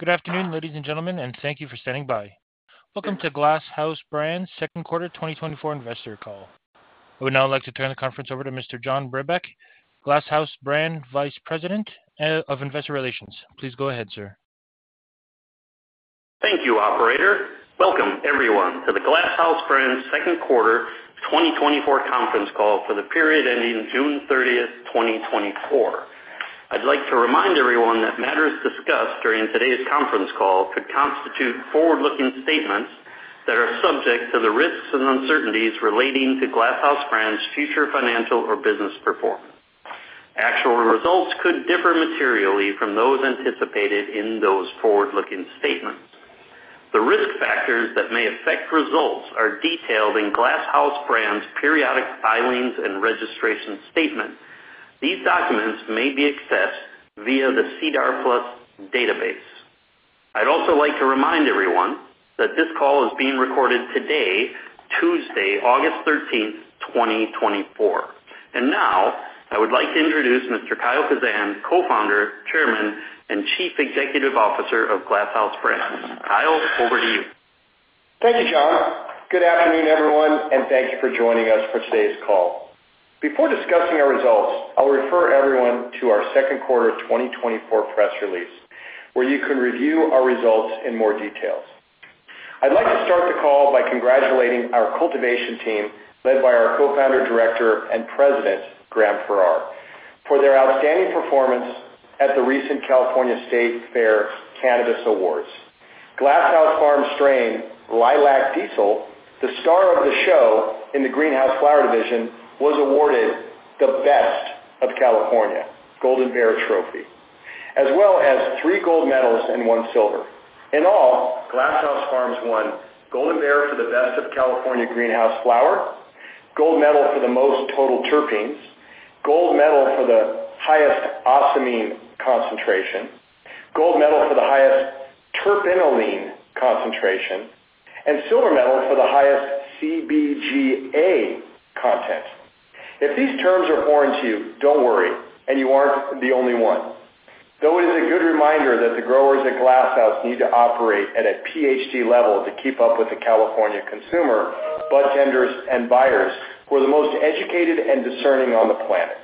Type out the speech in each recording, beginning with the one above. Good afternoon, ladies and gentlemen, and thank you for standing by. Welcome to Glass House Brands Second Quarter 2024 Investor Call. I would now like to turn the conference over to Mr. John Brebeck, Glass House Brands Vice President of Investor Relations. Please go ahead, sir. Thank you, operator. Welcome everyone, to the Glass House Brands Second Quarter 2024 conference call for the period ending June 30, 2024. I'd like to remind everyone that matters discussed during today's conference call could constitute forward-looking statements that are subject to the risks and uncertainties relating to Glass House Brands' future financial or business performance. Actual results could differ materially from those anticipated in those forward-looking statements. The risk factors that may affect results are detailed in Glass House Brands' periodic filings and registration statement. These documents may be accessed via the SEDAR+ database. I'd also like to remind everyone that this call is being recorded today, Tuesday, August 13, 2024. And now, I would like to introduce Mr. Kyle Kazan, Co-founder, Chairman, and Chief Executive Officer of Glass House Brands. Kyle, over to you. Thank you, John. Good afternoon, everyone, and thank you for joining us for today's call. Before discussing our results, I'll refer everyone to our second quarter 2024 press release, where you can review our results in more details. I'd like to start the call by congratulating our cultivation team, led by our Co-founder, Director, and President, Graham Farrar, for their outstanding performance at the recent California State Fair Cannabis Awards. Glass House Farms strain, Lilac Diesel, the star of the show in the Greenhouse Flower Division, was awarded the Best of California Golden Bear Trophy, as well as three gold medals and one silver. In all, Glass House Farms won Golden Bear for the Best of California Greenhouse Flower, Gold Medal for the Most Total Terpenes, Gold Medal for the Highest Ocimene Concentration, Gold Medal for the Highest Terpinolene Concentration, and Silver Medal for the Highest CBGA content. If these terms are foreign to you, don't worry, and you aren't the only one. Though it is a good reminder that the growers at Glass House need to operate at a PhD level to keep up with the California consumer, budtenders, and buyers, who are the most educated and discerning on the planet.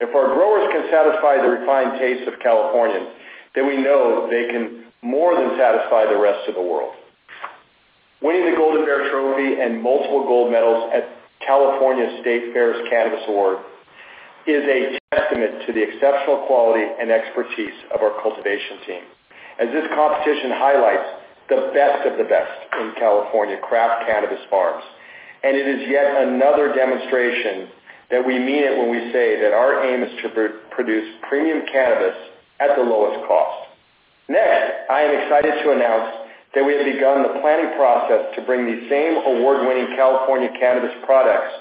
If our growers can satisfy the refined tastes of Californians, then we know they can more than satisfy the rest of the world. Winning the Golden Bear Trophy and multiple gold medals at California State Fair's Cannabis Award is a testament to the exceptional quality and expertise of our cultivation team, as this competition highlights the best of the best in California craft cannabis farms. It is yet another demonstration that we mean it when we say that our aim is to produce premium cannabis at the lowest cost. Next, I am excited to annoz that we have begun the planning process to bring these same award-winning California cannabis products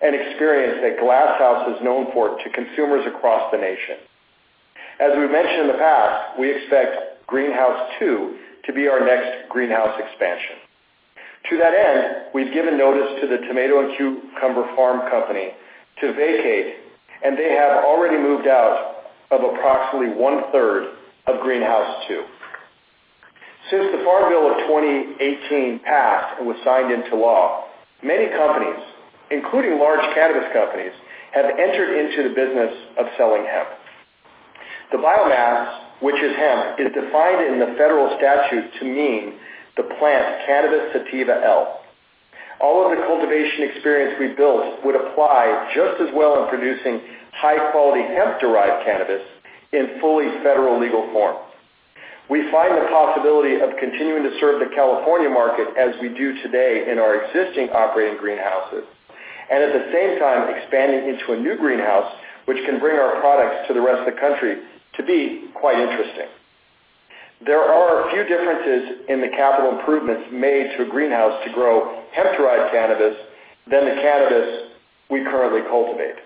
and experience that Glass House is known for to consumers across the nation. As we've mentioned in the past, we expect Greenhouse 2 to be our next greenhouse expansion. To that end, we've given notice to the Tomato and Cucumber Farm Company to vacate, and they have already moved out of approximately one-third of Greenhouse 2. Since the Farm Bill of 2018 passed and was signed into law, many companies, including large cannabis companies, have entered into the business of selling hemp. The biomass, which is hemp, is defined in the federal statute to mean the plant, Cannabis sativa L. All of the cultivation experience we built would apply just as well in producing high-quality, hemp-derived cannabis in fully federal legal form. We find the possibility of continuing to serve the California market as we do today in our existing operating greenhouses, and at the same time expanding into a new greenhouse, which can bring our products to the rest of the country, to be quite interesting. There are a few differences in the capital improvements made to a greenhouse to grow hemp-derived cannabis than the cannabis we currently cultivate.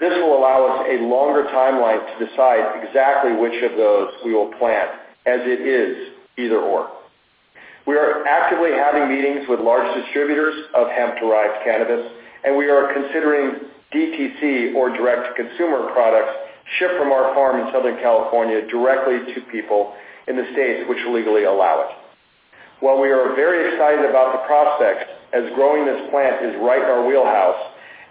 This will allow us a longer timeline to decide exactly which of those we will plant, as it is either/or. We are actively having meetings with large distributors of hemp-derived cannabis, and we are considering DTC, or direct-to-consumer products, shipped from our farm in Southern California directly to people in the states which legally allow it. While we are very excited about the prospects, as growing this plant is right in our wheelhouse,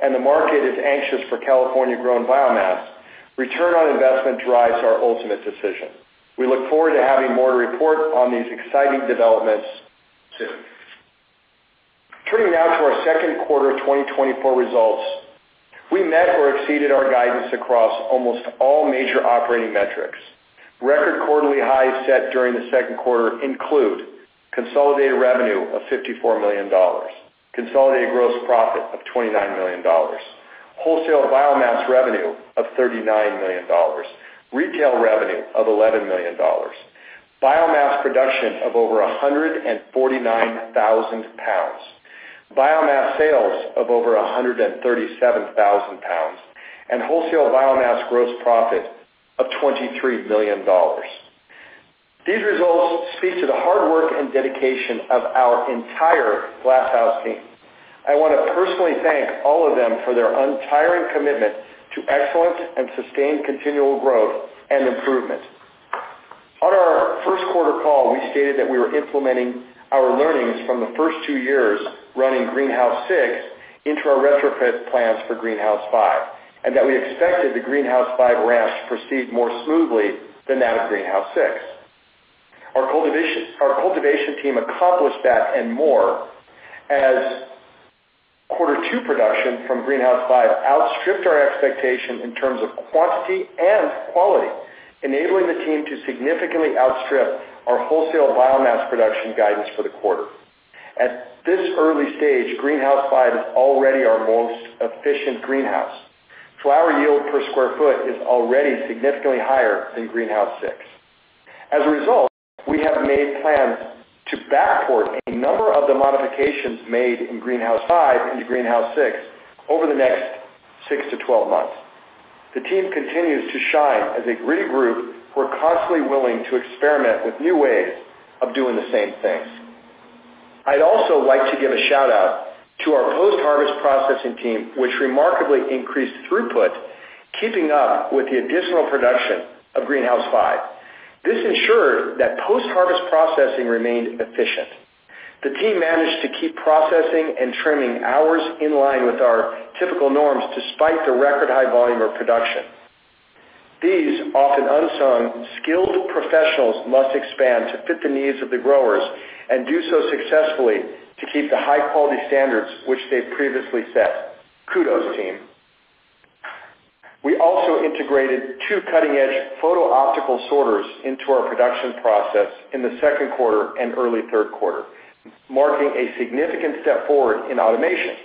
and the market is anxious for California-grown biomass, return on investment drives our ultimate decision. We look forward to having more to report on these exciting developments soon. Turning now to our second quarter of 2024 results. We met or exceeded our guidance across almost all major operating metrics. Record quarterly highs set during the second quarter include consolidated revenue of $54 million, consolidated gross profit of $29 million, wholesale biomass revenue of $39 million, retail revenue of $11 million, biomass production of over 149,000 lbs, biomass sales of over 137,000 lbs, and wholesale biomass gross profit of $23 million. These results speak to the hard work and dedication of our entire Glass House team.... I want to personally thank all of them for their untiring commitment to excellence and sustained continual growth and improvement. On our first quarter call, we stated that we were implementing our learnings from the first two years running Greenhouse 6 into our retrofit plans for Greenhouse 5, and that we expected the Greenhouse 5 ramp to proceed more smoothly than that of Greenhouse 6. Our cultivation team accomplished that and more, as quarter two production from Greenhouse 5 outstripped our expectations in terms of quantity and quality, enabling the team to significantly outstrip our wholesale biomass production guidance for the quarter. At this early stage, Greenhouse 5 is already our most efficient greenhouse. Flower yield per square foot is already significantly higher than Greenhouse 6. As a result, we have made plans to backport a number of the modifications made in Greenhouse 5 into Greenhouse 6 over the next 6-12 months. The team continues to shine as a gritty group who are constantly willing to experiment with new ways of doing the same things. I'd also like to give a shout-out to our post-harvest processing team, which remarkably increased throughput, keeping up with the additional production of Greenhouse 5. This ensured that post-harvest processing remained efficient. The team managed to keep processing and trimming hours in line with our typical norms, despite the record high volume of production. These often unsung, skilled professionals must expand to fit the needs of the growers and do so successfully to keep the high-quality standards which they've previously set. Kudos, team! We also integrated 2 cutting-edge Photo Optical Sorters into our production process in the second quarter and early third quarter, marking a significant step forward in automation.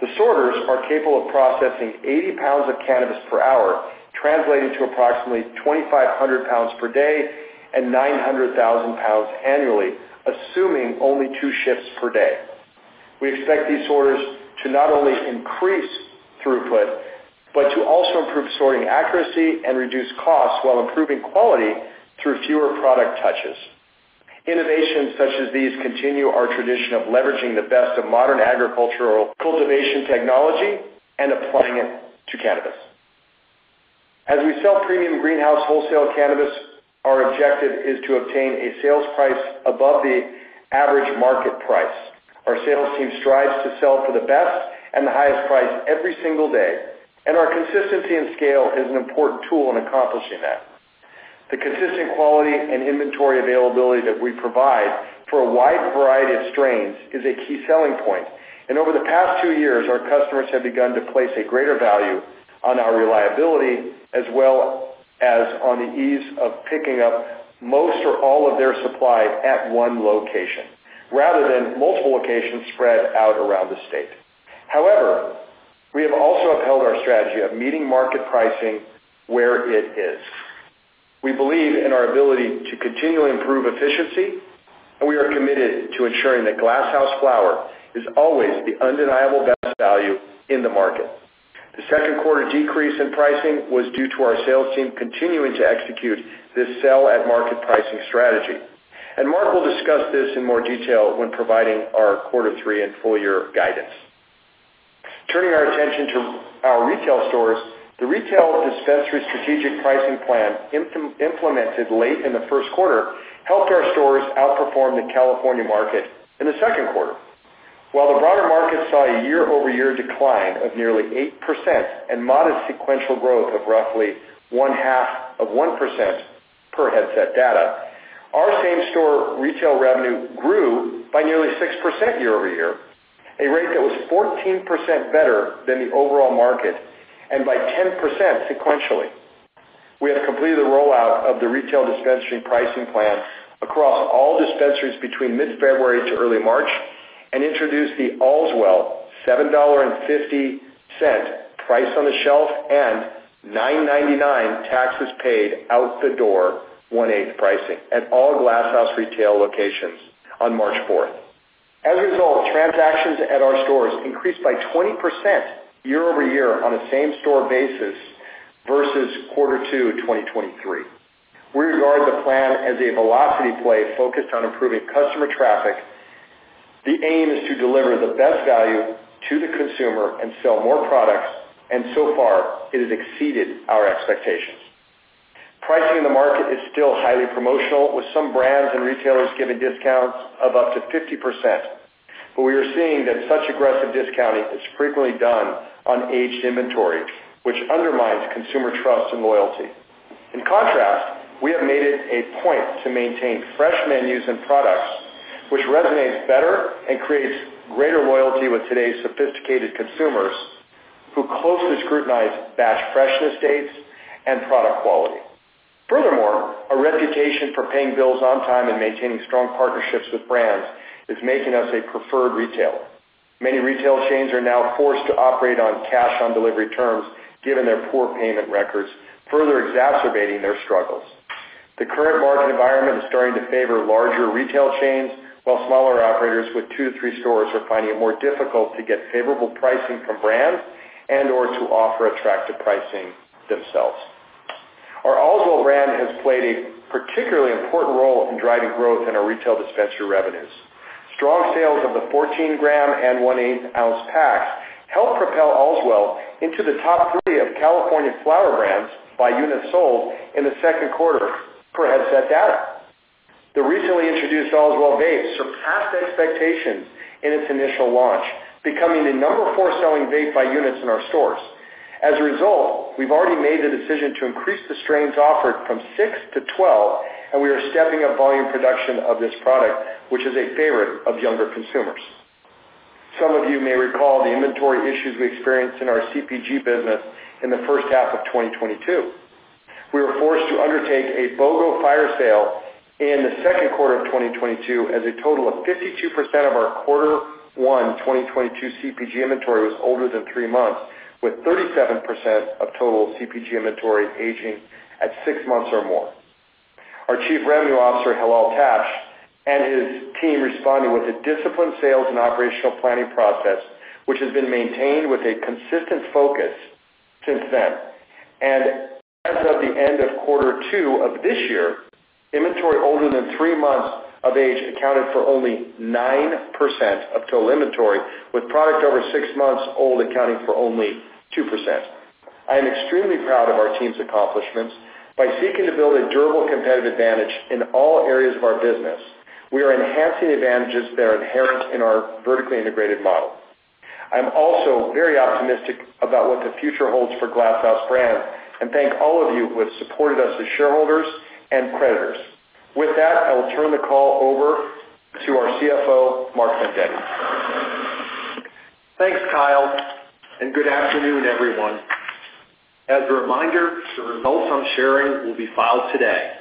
The sorters are capable of processing 80 lbs of cannabis per hour, translating to approximately 2,500 lbs per day and 900,000 lbs annually, assuming only 2 shifts per day. We expect these sorters to not only increase throughput, but to also improve sorting accuracy and reduce costs while improving quality through fewer product touches. Innovations such as these continue our tradition of leveraging the best of modern agricultural cultivation technology and applying it to cannabis. As we sell premium greenhouse wholesale cannabis, our objective is to obtain a sales price above the average market price. Our sales team strives to sell for the best and the highest price every single day, and our consistency and scale is an important tool in accomplishing that. The consistent quality and inventory availability that we provide for a wide variety of strains is a key selling point, and over the past two years, our customers have begun to place a greater value on our reliability, as well as on the ease of picking up most or all of their supply at one location, rather than multiple locations spread out around the state. However, we have also upheld our strategy of meeting market pricing where it is. We believe in our ability to continually improve efficiency, and we are committed to ensuring that Glass House flower is always the undeniable best value in the market. The second quarter decrease in pricing was due to our sales team continuing to execute this sell at market pricing strategy, and Mark will discuss this in more detail when providing our quarter three and full year guidance. Turning our attention to our retail stores, the retail dispensary strategic pricing plan implemented late in the first quarter helped our stores outperform the California market in the second quarter. While the broader market saw a year-over-year decline of nearly 8% and modest sequential growth of roughly one half of one percent per Headset data, our same store retail revenue grew by nearly 6% year-over-year, a rate that was 14% better than the overall market and by 10% sequentially. We have completed the rollout of the retail dispensary pricing plan across all dispensaries between mid-February to early March and introduced the Allswell $7.50 price on the shelf and $9.99 taxes paid out the door one-eighth pricing at all Glass House retail locations on March 4th. As a result, transactions at our stores increased by 20% year over year on a same-store basis versus quarter two of 2023. We regard the plan as a velocity play focused on improving customer traffic. The aim is to deliver the best value to the consumer and sell more products, and so far, it has exceeded our expectations. Pricing in the market is still highly promotional, with some brands and retailers giving discounts of up to 50%. But we are seeing that such aggressive discounting is frequently done on aged inventory, which undermines consumer trust and loyalty. In contrast, we have made it a point to maintain fresh menus and products, which resonates better and creates greater loyalty with today's sophisticated consumers, who closely scrutinize batch freshness dates and product quality. Furthermore, our reputation for paying bills on time and maintaining strong partnerships with brands is making us a preferred retailer. Many retail chains are now forced to operate on Cash on Delivery terms, given their poor payment records, further exacerbating their struggles. The current market environment is starting to favor larger retail chains, while smaller operators with 2-3 stores are finding it more difficult to get favorable pricing from brands and or to offer attractive pricing themselves... Our Allswell brand has played a particularly important role in driving growth in our retail dispensary revenues. Strong sales of the 14-gram and 1/8 oz packs helped propel Allswell into the top 3 of California flower brands by units sold in the second quarter, per Headset data. The recently introduced Allswell Vapes surpassed expectations in its initial launch, becoming the number 4 selling vape by units in our stores. As a result, we've already made the decision to increase the strains offered from 6-12, and we are stepping up volume production of this product, which is a favorite of younger consumers. Some of you may recall the inventory issues we experienced in our CPG business in the first half of 2022. We were forced to undertake a BOGO fire sale in the second quarter of 2022, as a total of 52% of our quarter one 2022 CPG inventory was older than three months, with 37% of total CPG inventory aging at six months or more. Our Chief Revenue Officer, Hillel Tash, and his team responded with a disciplined sales and operational planning process, which has been maintained with a consistent focus since then. As of the end of quarter two of this year, inventory older than three months of age accounted for only 9% of total inventory, with product over six months old accounting for only 2%. I am extremely proud of our team's accomplishments. By seeking to build a durable competitive advantage in all areas of our business, we are enhancing advantages that are inherent in our vertically integrated model. I'm also very optimistic about what the future holds for Glass House Brands, and thank all of you who have supported us as shareholders and creditors. With that, I will turn the call over to our CFO, Mark Vendetti. Thanks, Kyle, and good afternoon, everyone. As a reminder, the results I'm sharing will be filed today.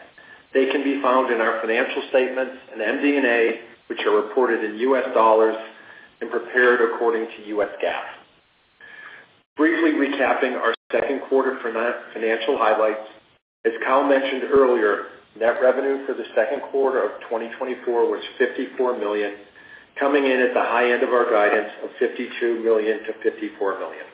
They can be found in our financial statements and MD&A, which are reported in US dollars and prepared according to US GAAP. Briefly recapping our second quarter financial highlights. As Kyle mentioned earlier, net revenue for the second quarter of 2024 was $54 million, coming in at the high end of our guidance of $52 million-$54 million.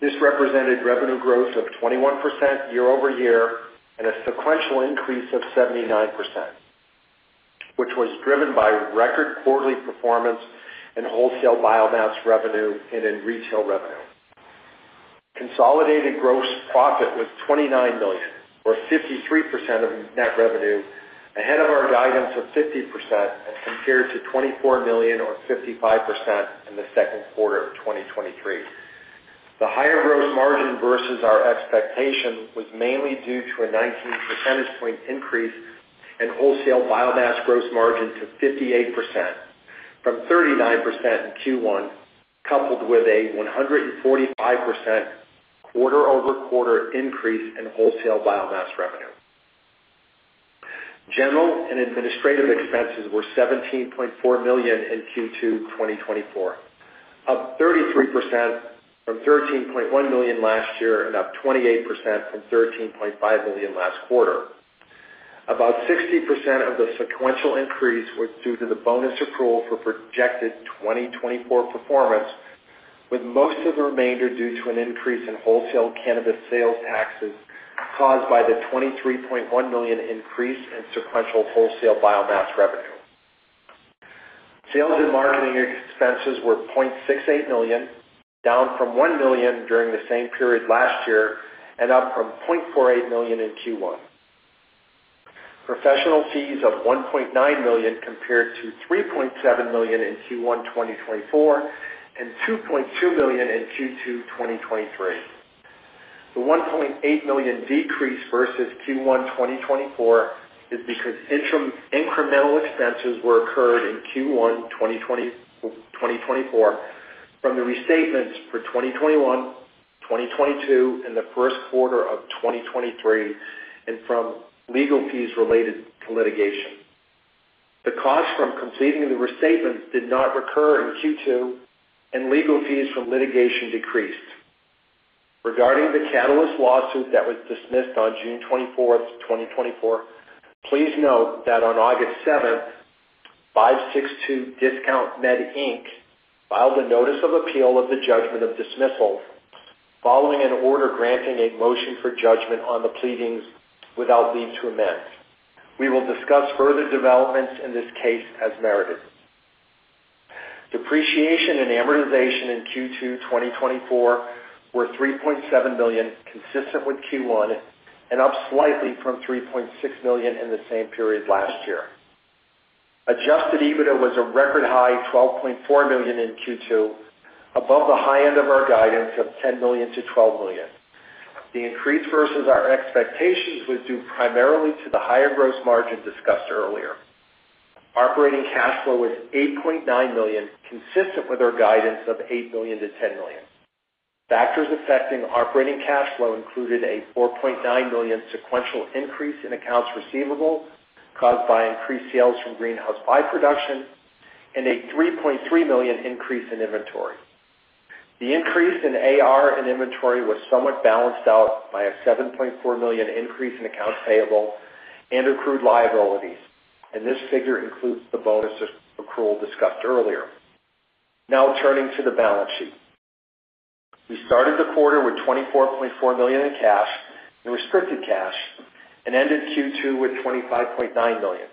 This represented revenue growth of 21% year-over-year and a sequential increase of 79%, which was driven by record quarterly performance in wholesale biomass revenue and in retail revenue. Consolidated gross profit was $29 million, or 53% of net revenue, ahead of our guidance of 50% and compared to $24 million or 55% in the second quarter of 2023. The higher gross margin versus our expectation was mainly due to a 19 percentage point increase in wholesale biomass gross margin to 58%, from 39% in Q1, coupled with a 145% quarter-over-quarter increase in wholesale biomass revenue. General and administrative expenses were $17.4 million in Q2 2024, up 33% from $13.1 million last year and up 28% from $13.5 million last quarter. About 60% of the sequential increase was due to the bonus accrual for projected 2024 performance, with most of the remainder due to an increase in wholesale cannabis sales taxes caused by the $23.1 million increase in sequential wholesale biomass revenue. Sales and marketing expenses were $0.68 million, down from $1 million during the same period last year and up from $0.48 million in Q1. Professional fees of $1.9 million compared to $3.7 million in Q1 2024 and $2.2 million in Q2 2023. The $1.8 million decrease versus Q1 2024 is because incremental expenses were incurred in Q1 2024 from the restatements for 2021, 2022, and the first quarter of 2023, and from legal fees related to litigation. The costs from completing the restatements did not recur in Q2, and legal fees from litigation decreased. Regarding the Catalyst lawsuit that was dismissed on June 24th, 2024, please note that on August 7th, 2024, 562 Discount Med, Inc. filed a notice of appeal of the judgment of dismissal, following an order granting a motion for judgment on the pleadings without leave to amend. We will discuss further developments in this case as merited. Depreciation and amortization in Q2 2024 were $3.7 million, consistent with Q1, and up slightly from $3.6 million in the same period last year. Adjusted EBITDA was a record high $12.4 million in Q2, above the high end of our guidance of $10 million-$12 million. The increase versus our expectations was due primarily to the higher gross margin discussed earlier. Operating cash flow was $8.9 million, consistent with our guidance of $8 million-$10 million. Factors affecting operating cash flow included a $4.9 million sequential increase in accounts receivable, caused by increased sales from Greenhouse 5 production, and a $3.3 million increase in inventory. The increase in AR and inventory was somewhat balanced out by a $7.4 million increase in accounts payable and accrued liabilities, and this figure includes the bonus accrual discussed earlier. Now turning to the balance sheet. We started the quarter with $24.4 million in cash and restricted cash, and ended Q2 with $25.9 million,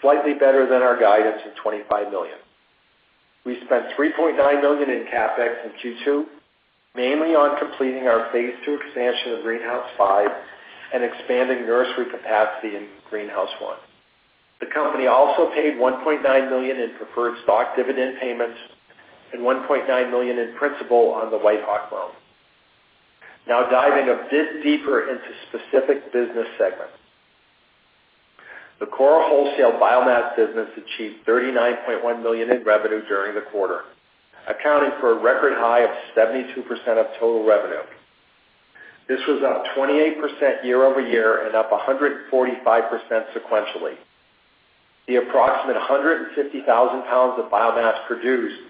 slightly better than our guidance of $25 million. We spent $3.9 million in CapEx in Q2, mainly on completing our Phase Two expansion of Greenhouse Five and expanding nursery capacity in Greenhouse One. The company also paid $1.9 million in preferred stock dividend payments and $1.9 million in principal on the WhiteHawk loan. Now diving a bit deeper into specific business segments. The core wholesale biomass business achieved $39.1 million in revenue during the quarter, accounting for a record high of 72% of total revenue. This was up 28% year-over-year and up 145% sequentially. The approximate 150,000 lbs of biomass produced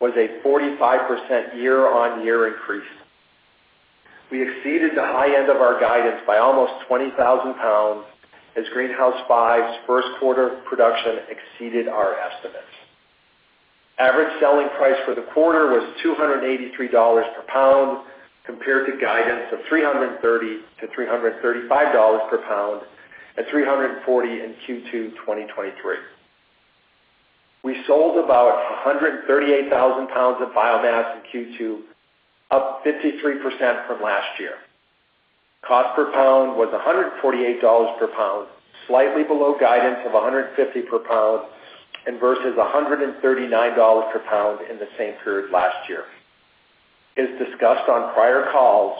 was a 45% year-over-year increase. We exceeded the high end of our guidance by almost 20,000 lbs, as Greenhouse Five's first quarter production exceeded our estimates. Average selling price for the quarter was $283 per lbs, compared to guidance of $330-$335 per lbs, and $340 in Q2 2023. We sold about 138,000 lbs of biomass in Q2, up 53% from last year. Cost per lb was $148 per lb, slightly below guidance of $150 per lb, and versus $139 per lb in the same period last year. As discussed on prior calls,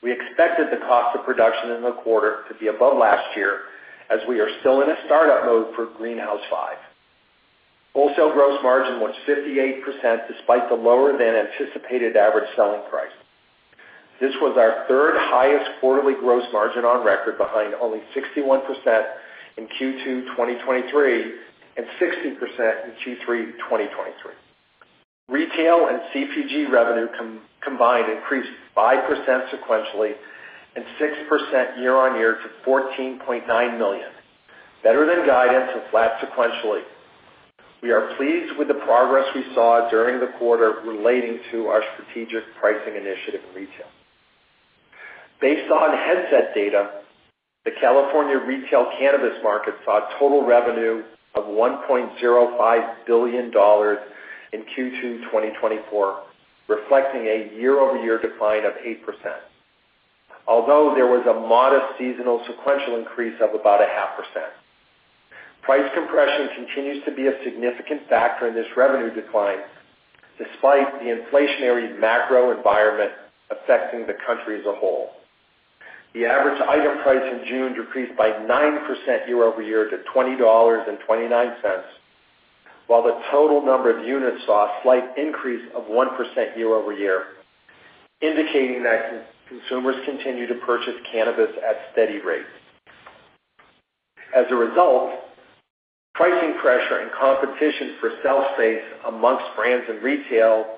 we expected the cost of production in the quarter to be above last year, as we are still in a startup mode for Greenhouse Five. Wholesale gross margin was 58%, despite the lower than anticipated average selling price. This was our third highest quarterly gross margin on record, behind only 61% in Q2 2023 and 60% in Q3 2023. Retail and CPG revenue combined increased 5% sequentially and 6% year-over-year to $14.9 million, better than guidance and flat sequentially. We are pleased with the progress we saw during the quarter relating to our strategic pricing initiative in retail. Based on Headset data, the California retail cannabis market saw total revenue of $1.05 billion in Q2 2024, reflecting a year-over-year decline of 8%. Although there was a modest seasonal sequential increase of about 0.5%. Price compression continues to be a significant factor in this revenue decline, despite the inflationary macro environment affecting the country as a whole. The average item price in June decreased by 9% year-over-year to $20.29, while the total number of units saw a slight increase of 1% year-over-year, indicating that consumers continue to purchase cannabis at steady rates. As a result, pricing pressure and competition for shelf space amongst brands in retail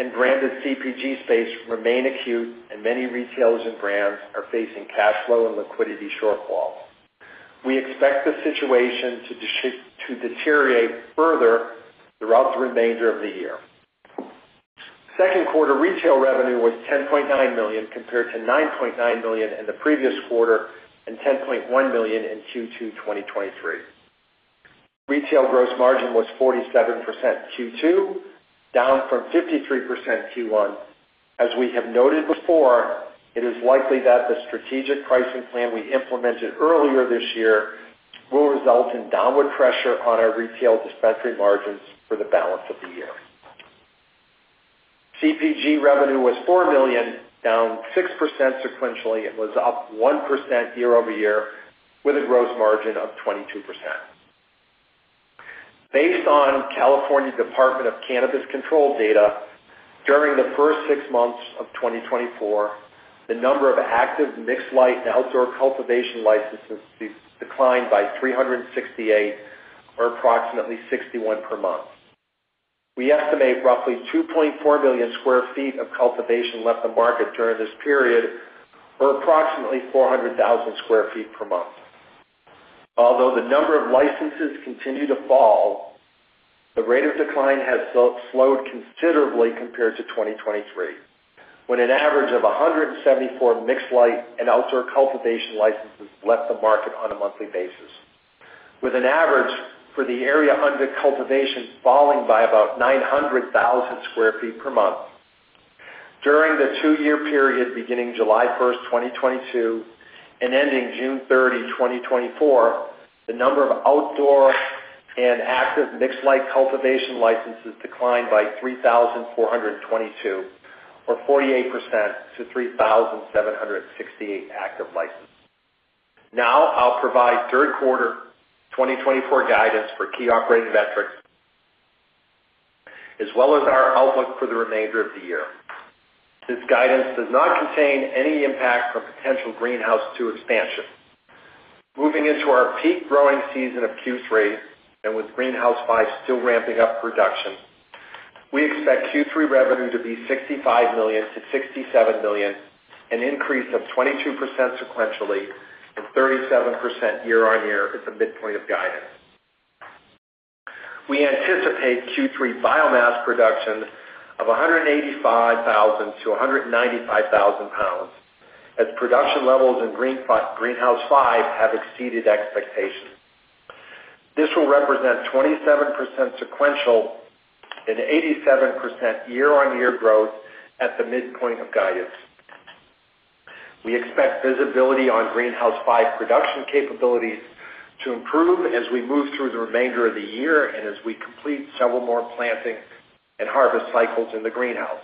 and branded CPG space remain acute, and many retailers and brands are facing cash flow and liquidity shortfalls. We expect the situation to deteriorate further throughout the remainder of the year. Second quarter retail revenue was $10.9 million, compared to $9.9 million in the previous quarter, and $10.1 million in Q2 2023. Retail gross margin was 47% Q2, down from 53% Q1. As we have noted before, it is likely that the strategic pricing plan we implemented earlier this year will result in downward pressure on our retail dispensary margins for the balance of the year. CPG revenue was $4 million, down 6% sequentially, and was up 1% year-over-year, with a gross margin of 22%. Based on California Department of Cannabis Control data, during the first six months of 2024, the number of active mixed light and outdoor cultivation licenses declined by 368, or approximately 61 per month. We estimate roughly 2.4 million sq ft of cultivation left the market during this period, or approximately 400,000 sq ft per month. Although the number of licenses continue to fall, the rate of decline has slowed considerably compared to 2023, when an average of 174 Mixed Light and Outdoor cultivation licenses left the market on a monthly basis, with an average for the area under cultivation falling by about 900,000 sq ft per month. During the two-year period, beginning July 1, 2022, and ending June 30, 2024, the number of Outdoor and active Mixed Light cultivation licenses declined by 3,422, or 48% to 3,768 active licenses. Now, I'll provide third quarter 2024 guidance for key operating metrics, as well as our outlook for the remainder of the year. This guidance does not contain any impact from potential Greenhouse 2 expansion. Moving into our peak growing season of Q3, and with Greenhouse 5 still ramping up production,... We expect Q3 revenue to be $65 million-$67 million, an increase of 22% sequentially and 37% year-on-year at the midpoint of guidance. We anticipate Q3 biomass production of 185,000-195,000 lbs, as production levels in Greenhouse 5 have exceeded expectations. This will represent 27% sequential and 87% year-on-year growth at the midpoint of guidance. We expect visibility on Greenhouse 5 production capabilities to improve as we move through the remainder of the year and as we complete several more planting and harvest cycles in the greenhouse.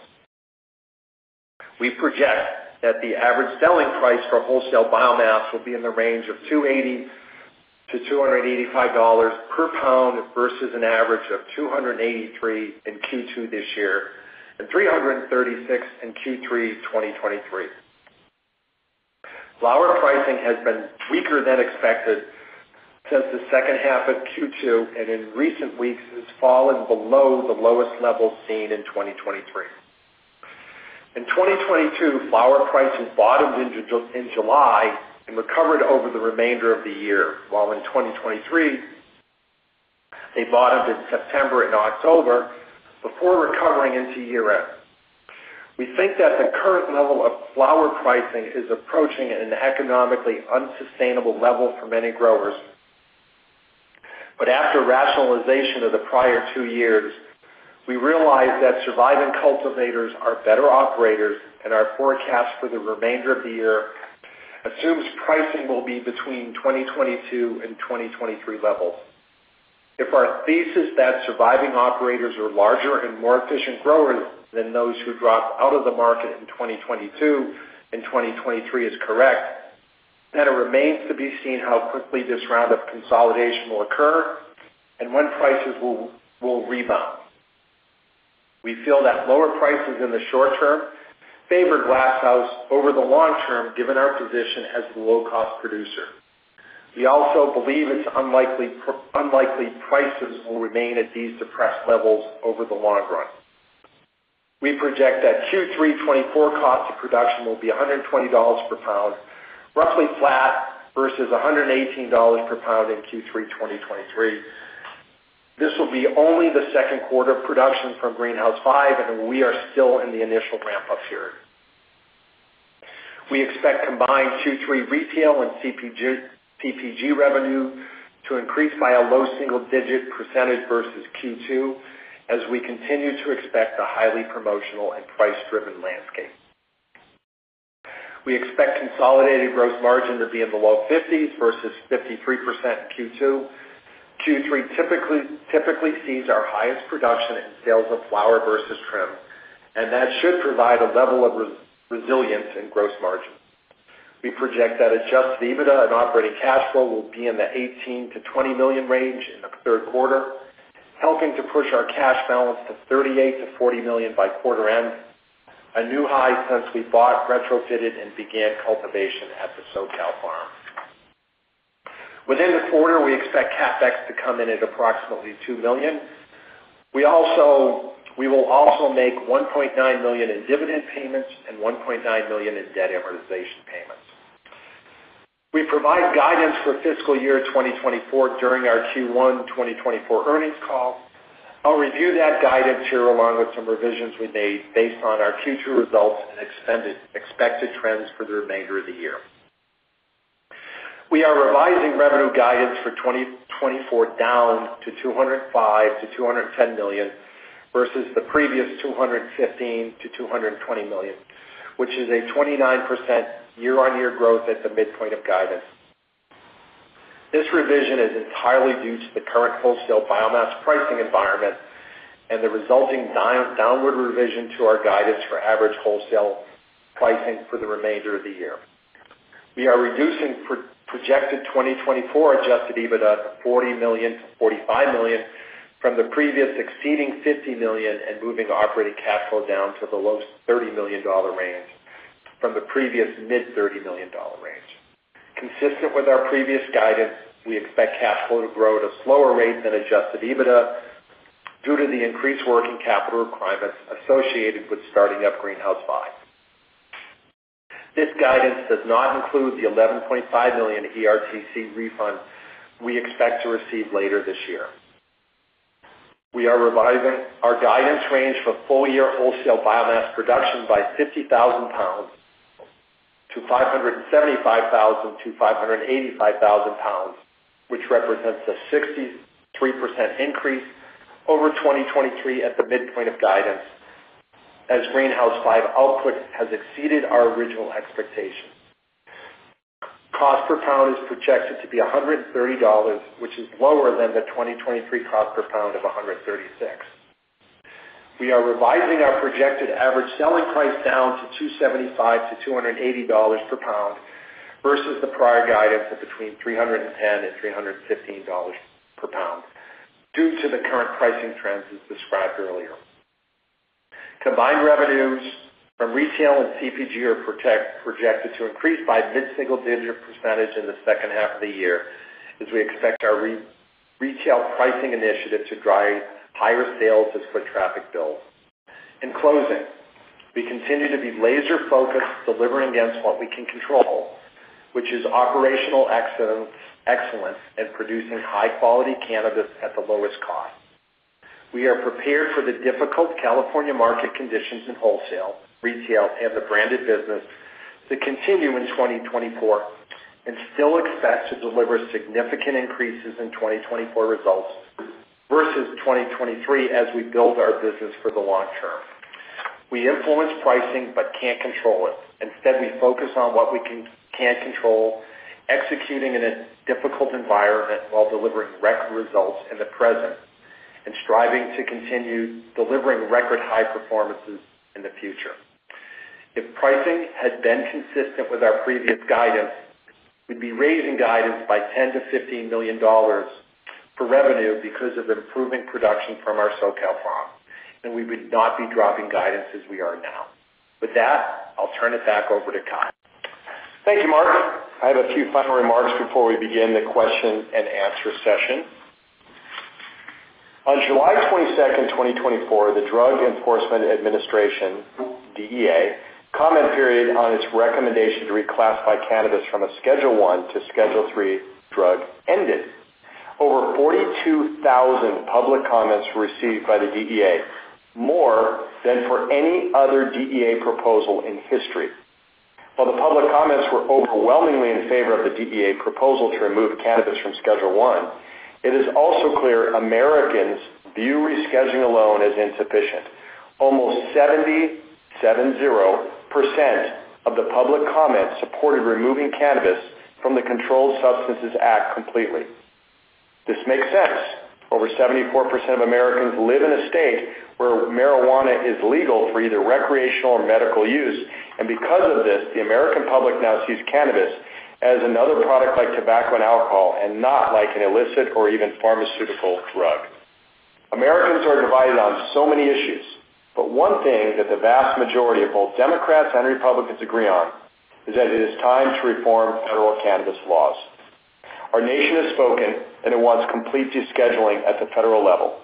We project that the average selling price for wholesale biomass will be in the range of $280-$285 per lb, versus an average of $283 in Q2 this year and $336 in Q3 2023. Flower pricing has been weaker than expected since the second half of Q2, and in recent weeks has fallen below the lowest level seen in 2023. In 2022, flower prices bottomed in July and recovered over the remainder of the year, while in 2023, they bottomed in September and October before recovering into year-end. We think that the current level of flower pricing is approaching an economically unsustainable level for many growers. But after rationalization of the prior two years, we realize that surviving cultivators are better operators, and our forecast for the remainder of the year assumes pricing will be between 2022 and 2023 levels. If our thesis that surviving operators are larger and more efficient growers than those who dropped out of the market in 2022 and 2023 is correct, then it remains to be seen how quickly this round of consolidation will occur and when prices will rebound. We feel that lower prices in the short term favor Glass House over the long term, given our position as the low-cost producer. We also believe it's unlikely prices will remain at these depressed levels over the long run. We project that Q3 2024 cost of production will be $120 per lb, roughly flat versus $118 per lb in Q3 2023. This will be only the second quarter of production from Greenhouse 5, and we are still in the initial ramp-up period. We expect combined Q3 retail and CPG revenue to increase by a low single-digit percentage versus Q2, as we continue to expect a highly promotional and price-driven landscape. We expect consolidated gross margin to be in the low 50s versus 53% in Q2. Q3 typically sees our highest production in sales of flower versus trim, and that should provide a level of resilience in gross margin. We project that adjusted EBITDA and operating cash flow will be in the $18 million-$20 million range in the third quarter, helping to push our cash balance to $38 million-$40 million by quarter end, a new high since we bought, retrofitted, and began cultivation at the SoCal Farm. Within the quarter, we expect CapEx to come in at approximately $2 million. We will also make $1.9 million in dividend payments and $1.9 million in debt amortization payments. We provided guidance for fiscal year 2024 during our Q1 2024 earnings call. I'll review that guidance here, along with some revisions we made based on our Q2 results and expected trends for the remainder of the year. We are revising revenue guidance for 2024 down to $205 million-$210 million, versus the previous $215 million-$220 million, which is a 29% year-on-year growth at the midpoint of guidance. This revision is entirely due to the current wholesale biomass pricing environment and the resulting downward revision to our guidance for average wholesale pricing for the remainder of the year. We are reducing projected 2024 adjusted EBITDA to $40 million-$45 million from the previous exceeding $50 million, and moving operating cash flow down to the low $30 million range from the previous mid $30 million range. Consistent with our previous guidance, we expect cash flow to grow at a slower rate than adjusted EBITDA due to the increased working capital requirements associated with starting up Greenhouse 5. This guidance does not include the $11.5 million ERTC refund we expect to receive later this year. We are revising our guidance range for full-year wholesale biomass production by 50,000 lbs to 575,000-585,000 lbs, which represents a 63% increase over 2023 at the midpoint of guidance, as Greenhouse 5 output has exceeded our original expectations. Cost perlbis projected to be $130, which is lower than the 2023 cost per lb of $136. We are revising our projected average selling price down to $275-$280 per lb versus the prior guidance of between $310 and $315 per lb, due to the current pricing trends as described earlier. Combined revenues from retail and CPG are projected to increase by mid-single-digit % in the second half of the year, as we expect our retail pricing initiative to drive higher sales as foot traffic builds. In closing, we continue to be laser-focused, delivering against what we can control, which is operational excellence and producing high-quality cannabis at the lowest cost. We are prepared for the difficult California market conditions in wholesale, retail, and the branded business to continue in 2024, and still expect to deliver significant increases in 2024 results versus 2023 as we build our business for the long term. We influence pricing but can't control it. Instead, we focus on what we can control, executing in a difficult environment while delivering record results in the present and striving to continue delivering record-high performances in the future. If pricing had been consistent with our previous guidance, we'd be raising guidance by $10 million-$15 million for revenue because of improving production from our SoCal farm, and we would not be dropping guidance as we are now. With that, I'll turn it back over to Kyle Thank you, Mark. I have a few final remarks before we begin the question-and-answer session. On July 22, 2024, the Drug Enforcement Administration, DEA, comment period on its recommendation to reclassify cannabis from a Schedule I to Schedule III drug ended. Over 42,000 public comments were received by the DEA, more than for any other DEA proposal in history. While the public comments were overwhelmingly in favor of the DEA proposal to remove cannabis from Schedule I, it is also clear Americans view rescheduling alone as insufficient. Almost 77% of the public comments supported removing cannabis from the Controlled Substances Act completely. This makes sense. Over 74% of Americans live in a state where marijuana is legal for either recreational or medical use, and because of this, the American public now sees cannabis as another product like tobacco and alcohol, and not like an illicit or even pharmaceutical drug. Americans are divided on so many issues, but one thing that the vast majority of both Democrats and Republicans agree on is that it is time to reform federal cannabis laws. Our nation has spoken, and it wants complete descheduling at the federal level.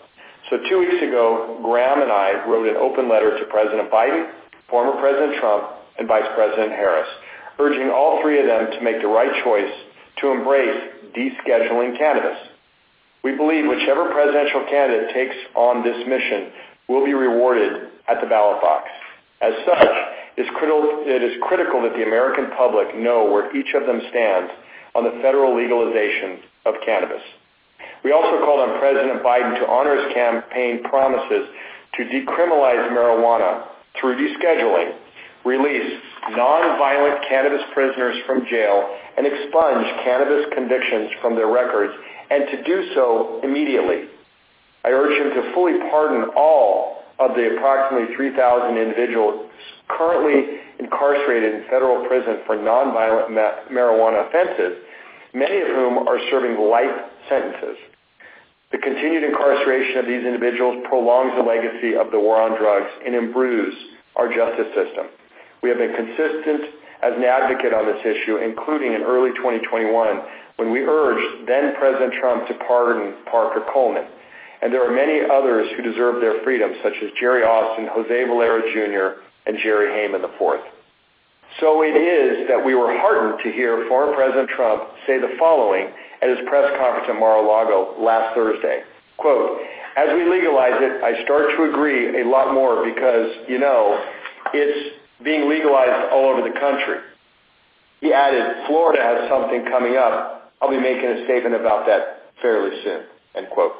So two weeks ago, Graham and I wrote an open letter to President Biden, former President Trump, and Vice President Harris, urging all three of them to make the right choice to embrace descheduling cannabis. We believe whichever presidential candidate takes on this mission will be rewarded at the ballot box. As such, it's critical, it is critical that the American public know where each of them stands on the federal legalization of cannabis. We also called on President Biden to honor his campaign promises to decriminalize marijuana through descheduling, release nonviolent cannabis prisoners from jail, and expunge cannabis convictions from their records, and to do so immediately. I urge him to fully pardon all of the approximately 3,000 individuals currently incarcerated in federal prison for nonviolent marijuana offenses, many of whom are serving life sentences. The continued incarceration of these individuals prolongs the legacy of the war on drugs and imbrues our justice system. We have been consistent as an advocate on this issue, including in early 2021, when we urged then-President Trump to pardon Parker Coleman, and there are many others who deserve their freedom, such as Jerry Austin, Jose Valerio Jr., and Jerry Haymon IV. So it is that we were heartened to hear former President Trump say the following at his press conference at Mar-a-Lago last Thursday, quote, "As we legalize it, I start to agree a lot more because, you know, it's being legalized all over the country." He added, "Florida has something coming up. I'll be making a statement about that fairly soon," end quote.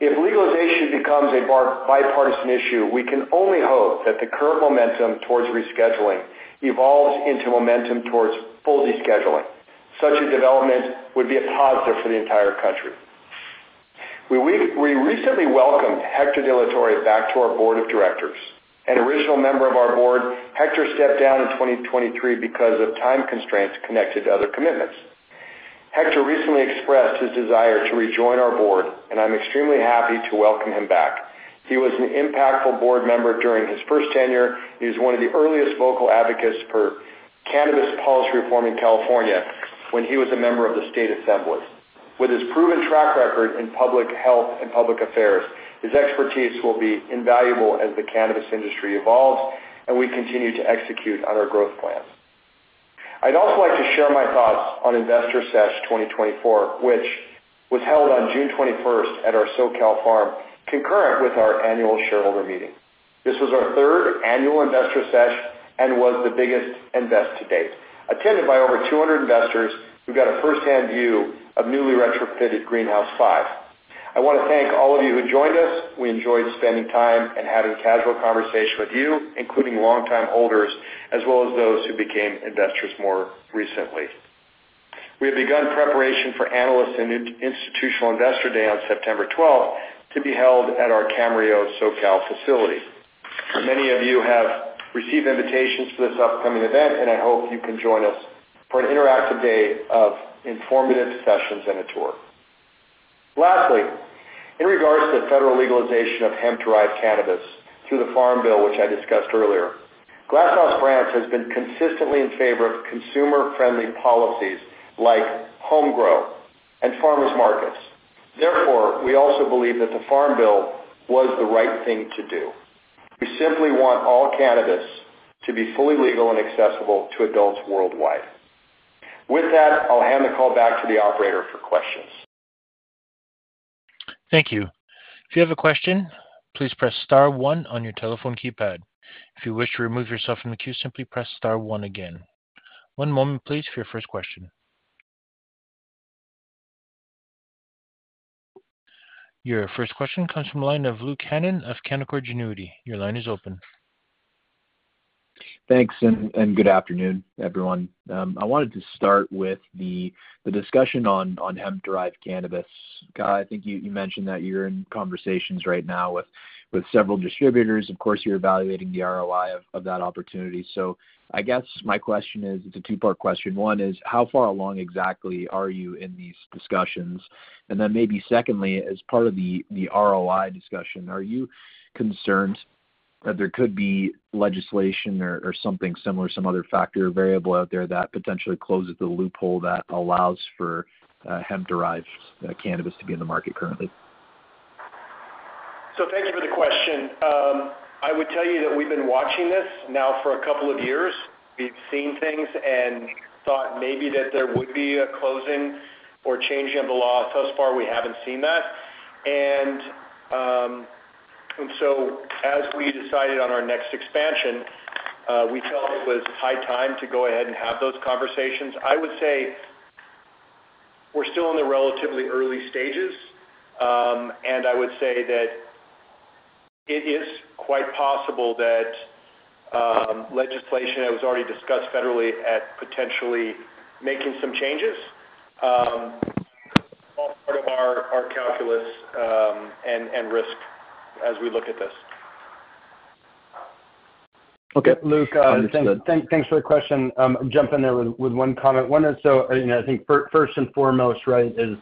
If legalization becomes a bipartisan issue, we can only hope that the current momentum towards rescheduling evolves into momentum towards full descheduling. Such a development would be a positive for the entire country. We recently welcomed Hector De La Torre back to our board of directors. An original member of our board, Hector stepped down in 2023 because of time constraints connected to other commitments. Hector recently expressed his desire to rejoin our board, and I'm extremely happy to welcome him back. He was an impactful board member during his first tenure. He was one of the earliest vocal advocates for cannabis policy reform in California when he was a member of the State Assembly. With his proven track record in public health and public affairs, his expertise will be invaluable as the cannabis industry evolves and we continue to execute on our growth plans. I'd also like to share my thoughts on Investor Sesh 2024, which was held on June 21st at our SoCal farm, concurrent with our annual shareholder meeting. This was our third annual Investor Sesh and was the biggest and best to date. Attended by over 200 investors, who got a firsthand view of newly retrofitted Greenhouse 5. I want to thank all of you who joined us. We enjoyed spending time and having casual conversation with you, including longtime holders, as well as those who became investors more recently. We have begun preparation for Analysts and Institutional Investor Day on September 12, to be held at our Camarillo, SoCal facility. Many of you have received invitations to this upcoming event, and I hope you can join us for an interactive day of informative sessions and a tour. Lastly, in regards to the federal legalization of hemp-derived cannabis through the Farm Bill, which I discussed earlier, Glass House Brands has been consistently in favor of consumer-friendly policies like home grow and farmers markets. Therefore, we also believe that the Farm Bill was the right thing to do. We simply want all cannabis to be fully legal and accessible to adults worldwide. With that, I'll hand the call back to the operator for questions. Thank you. If you have a question, please press star one on your telephone keypad. If you wish to remove yourself from the queue, simply press star one again. One moment please, for your first question. Your first question comes from the line of Luke Hannan of Canaccord Genuity. Your line is open. Thanks, and good afternoon, everyone. I wanted to start with the discussion on hemp-derived cannabis. Kyle, I think you mentioned that you're in conversations right now with several distributors. Of course, you're evaluating the ROI of that opportunity. So I guess my question is, it's a two-part question. One is, how far along exactly are you in these discussions? And then maybe secondly, as part of the ROI discussion, are you concerned that there could be legislation or something similar, some other factor or variable out there that potentially closes the loophole that allows for hemp-derived cannabis to be in the market currently? So thank you for the question. I would tell you that we've been watching this now for a couple of years. We've seen things and thought maybe that there would be a closing or changing of the law. Thus far, we haven't seen that. And so as we decided on our next expansion, we felt it was high time to go ahead and have those conversations. I would say we're still in the relatively early stages, and I would say that it is quite possible that legislation that was already discussed federally at potentially making some changes, all part of our, our calculus, and risk as we look at this. Okay. Luke, thanks for the question. Jump in there with one comment. One is, so, you know, I think first and foremost, right, is,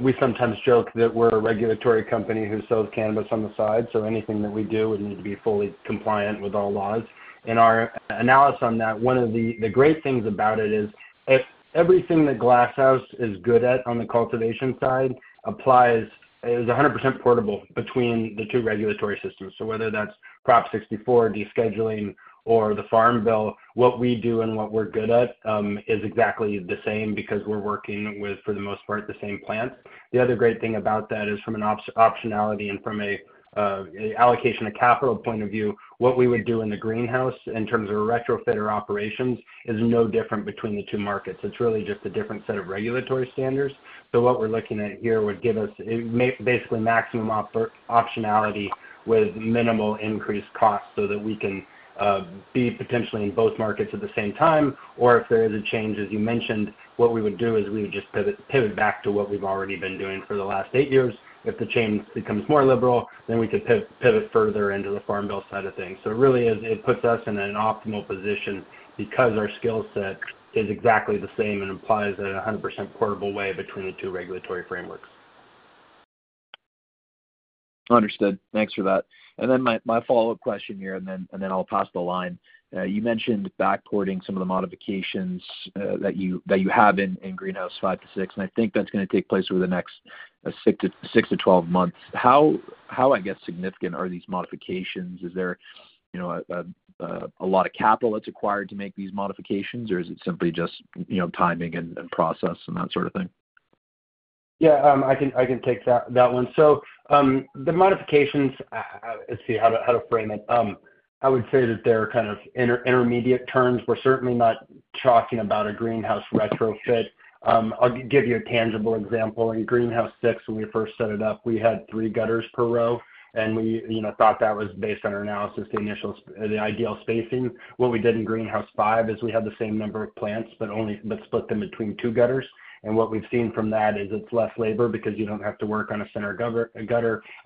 we sometimes joke that we're a regulatory company who sells cannabis on the side, so anything that we do would need to be fully compliant with all laws. In our analysis on that, one of the great things about it is, if everything that Glass House is good at on the cultivation side applies... is 100% portable between the two regulatory systems. So whether that's Prop 64, descheduling, or the Farm Bill, what we do and what we're good at is exactly the same because we're working with, for the most part, the same plants. The other great thing about that is from an ops optionality and from a allocation of capital point of view, what we would do in the greenhouse in terms of a retrofit operations is no different between the two markets. It's really just a different set of regulatory standards. So what we're looking at here would give us basically maximum optionality with minimal increased costs, so that we can be potentially in both markets at the same time. Or if there is a change, as you mentioned, what we would do is we would just pivot back to what we've already been doing for the last eight years. If the change becomes more liberal, then we could pivot further into the Farm Bill side of things. So it really is, it puts us in an optimal position because our skill set is exactly the same and applies in a 100% portable way between the two regulatory frameworks. Understood. Thanks for that. And then my follow-up question here, and then I'll pass the line. You mentioned backporting some of the modifications that you have in Greenhouse 5 to 6, and I think that's gonna take place over the next 6-12 months. How, I guess, significant are these modifications? Is there, you know, a lot of capital that's acquired to make these modifications, or is it simply just, you know, timing and process and that sort of thing? Yeah, I can take that one. So, the modifications, let's see, how to frame it. I would say that they're kind of intermediate terms. We're certainly not talking about a greenhouse retrofit. I'll give you a tangible example. In Greenhouse 6, when we first set it up, we had three gutters per row, and we, you know, thought that was based on our analysis, the initial the ideal spacing. What we did in Greenhouse 5 is we had the same number of plants, but only split them between two gutters. And what we've seen from that is it's less labor because you don't have to work on a center gutter.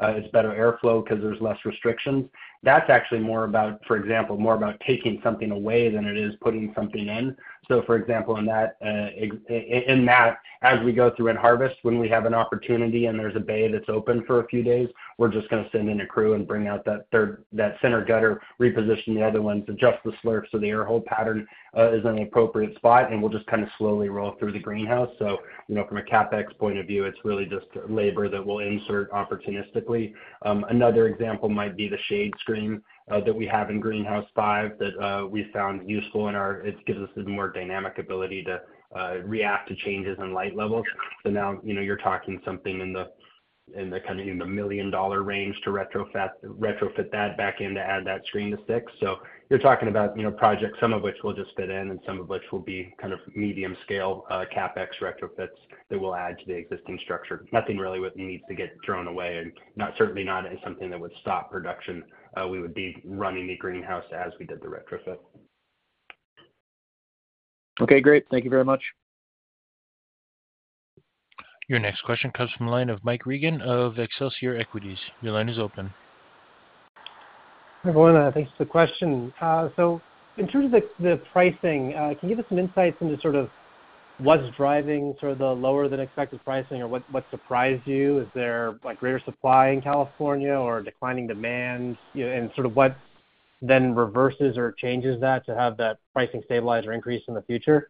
It's better airflow because there's less restrictions. That's actually more about, for example, more about taking something away than it is putting something in. So for example, in that, in that, as we go through and harvest, when we have an opportunity and there's a bay that's open for a few days, we're just gonna send in a crew and bring out that third, that center gutter, reposition the other ones, adjust the slurp so the air hole pattern is in an appropriate spot, and we'll just kind of slowly roll through the greenhouse. So, you know, from a CapEx point of view, it's really just labor that we'll insert opportunistically. Another example might be the shade screen that we have in Greenhouse Five, that we found useful in our... It gives us a more dynamic ability to react to changes in light levels. So now, you know, you're talking something in the kind of $1 million range to retrofit that back in to add that screen to six. So you're talking about, you know, projects, some of which we'll just fit in and some of which will be kind of medium scale, CapEx retrofits that will add to the existing structure. Nothing really needs to get thrown away, and not, certainly not as something that would stop production. We would be running the greenhouse as we did the retrofit. Okay, great. Thank you very much. Your next question comes from the line of Mike Regan of Excelsior Equities. Your line is open. Hi, Lauren. Thanks for the question. So in terms of the pricing, can you give us some insights into sort of what's driving sort of the lower than expected pricing or what surprised you? Is there, like, greater supply in California or declining demand? You know, and sort of what then reverses or changes that to have that pricing stabilize or increase in the future?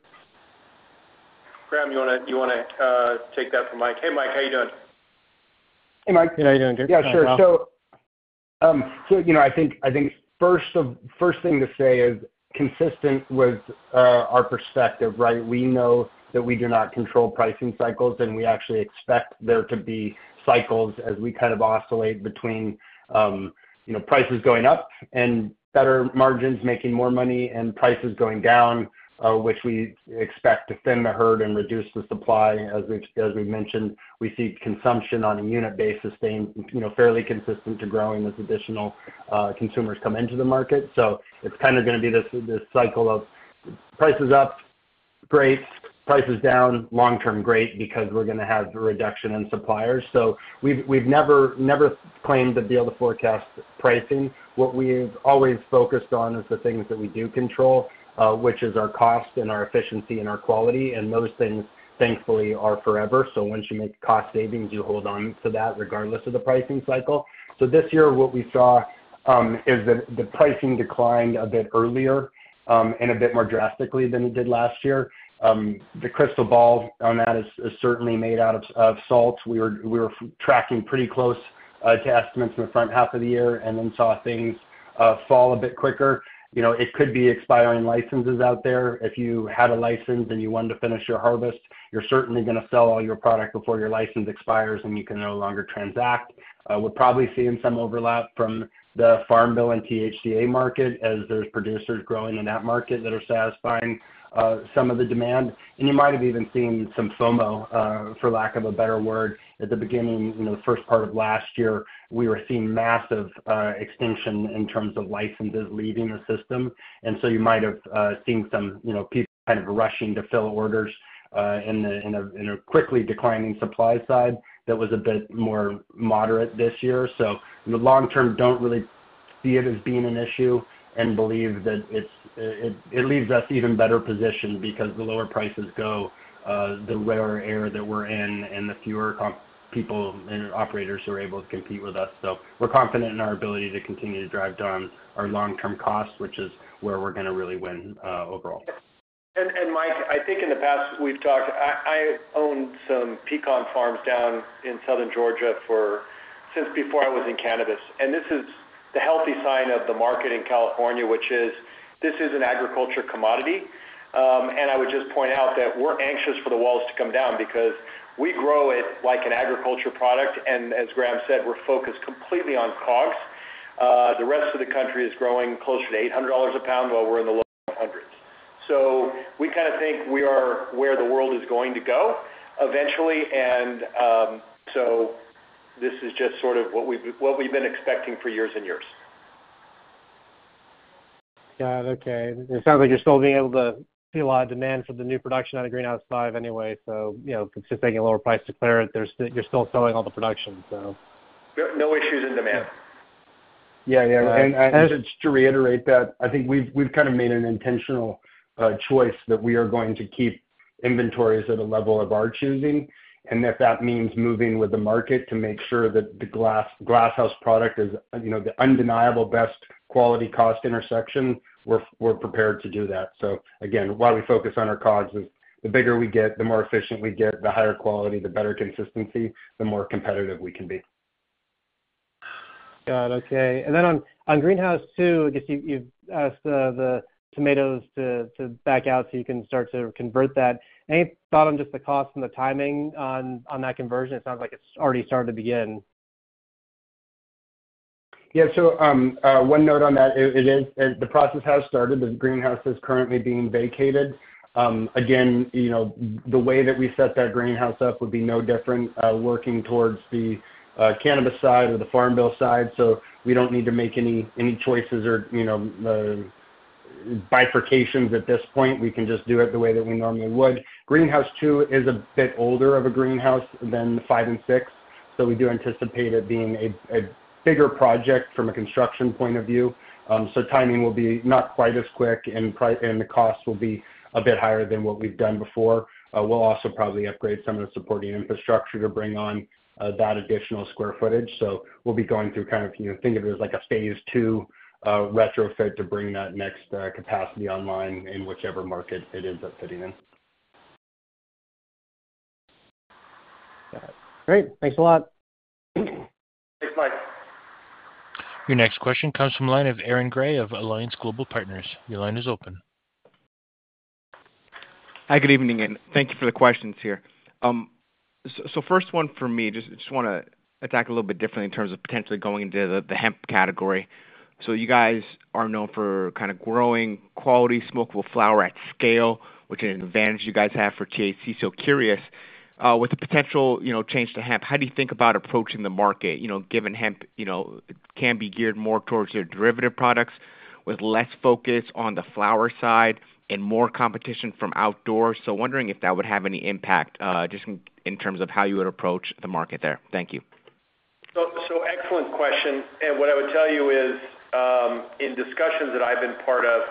Graham, do you wanna take that from Mike? Hey, Mike, how you doing? Hey, Mike. Hey, how you doing, dude? Yeah, sure. So, so, you know, I think, I think first thing to say is consistent with our perspective, right? We know that we do not control pricing cycles, and we actually expect there to be cycles as we kind of oscillate between, you know, prices going up and better margins, making more money, and prices going down, which we expect to thin the herd and reduce the supply. As we, as we've mentioned, we see consumption on a unit basis staying, you know, fairly consistent to growing as additional consumers come into the market. So it's kind of gonna be this, this cycle of prices up, great, prices down, long term, great, because we're gonna have a reduction in suppliers. So we've, we've never, never claimed to be able to forecast pricing. What we've always focused on is the things that we do control, which is our cost and our efficiency and our quality, and those things, thankfully, are forever. So once you make cost savings, you hold on to that regardless of the pricing cycle. So this year, what we saw, is that the pricing declined a bit earlier, and a bit more drastically than it did last year. The crystal ball on that is certainly made out of salt. We were tracking pretty close to estimates in the front half of the year and then saw things fall a bit quicker. You know, it could be expiring licenses out there. If you had a license and you wanted to finish your harvest, you're certainly gonna sell all your product before your license expires, and you can no longer transact. We're probably seeing some overlap from the Farm Bill and THCA market as there's producers growing in that market that are satisfying some of the demand. And you might have even seen some FOMO, for lack of a better word. At the beginning, you know, the first part of last year, we were seeing massive extinction in terms of licenses leaving the system, and so you might have seen some, you know, people kind of rushing to fill orders in a quickly declining supply side that was a bit more moderate this year. So in the long term, don't really see it as being an issue and believe that it leaves us even better positioned because the lower prices go, the rarer air that we're in and the fewer comp people and operators who are able to compete with us. So we're confident in our ability to continue to drive down our long-term costs, which is where we're gonna really win, overall. Mike, I think in the past, we've talked. I owned some pecan farms down in southern Georgia for since before I was in cannabis, and this is the healthy sign of the market in California, which is this is an agriculture commodity. And I would just point out that we're anxious for the walls to come down because we grow it like an agriculture product, and as Graham said, we're focused completely on COGS. The rest of the country is growing closer to $800 a lb, while we're in the low hundreds. So we kind of think we are where the world is going to go eventually, and so this is just sort of what we've been expecting for years and years. Got it. Okay. It sounds like you're still being able to see a lot of demand for the new production out of Greenhouse 5 anyway, so, you know, it's just taking a lower price to clear it. You're still selling all the production, so. No, no issues in demand. Yeah, yeah. And just to reiterate that, I think we've kind of made an intentional choice that we are going to keep inventories at a level of our choosing, and if that means moving with the market to make sure that the Glass House product is, you know, the undeniable best quality-cost intersection, we're prepared to do that. So again, why we focus on our COGS, is the bigger we get, the more efficient we get, the higher quality, the better consistency, the more competitive we can be. Got it. Okay. And then on Greenhouse 2, I guess you've asked the tomatoes to back out so you can start to convert that. Any thought on just the cost and the timing on that conversion? It sounds like it's already started. Yeah. So, one note on that, it is the process has started. The greenhouse is currently being vacated. Again, you know, the way that we set that greenhouse up would be no different, working towards the cannabis side or the Farm Bill side, so we don't need to make any choices or, you know, bifurcations at this point. We can just do it the way that we normally would. Greenhouse 2 is a bit older of a greenhouse than the 5 and 6, so we do anticipate it being a bigger project from a construction point of view. So timing will be not quite as quick, and the cost will be a bit higher than what we've done before. We'll also probably upgrade some of the supporting infrastructure to bring on that additional square footage. So we'll be going through kind of, you know, think of it as like a phase two retrofit to bring that next capacity online in whichever market it ends up fitting in. Got it. Great. Thanks a lot. Thanks, Mike. Your next question comes from the line of Aaron Gray of Alliance Global Partners. Your line is open. Hi, good evening, and thank you for the questions here. So first one for me, just wanna attack a little bit differently in terms of potentially going into the hemp category. So you guys are known for kind of growing quality smokeable flower at scale, which is an advantage you guys have for THC. So curious with the potential, you know, change to hemp, how do you think about approaching the market? You know, given hemp, you know, can be geared more towards your derivative products with less focus on the flower side and more competition from outdoors. So wondering if that would have any impact, just in terms of how you would approach the market there? Thank you. So, excellent question, and what I would tell you is, in discussions that I've been part of,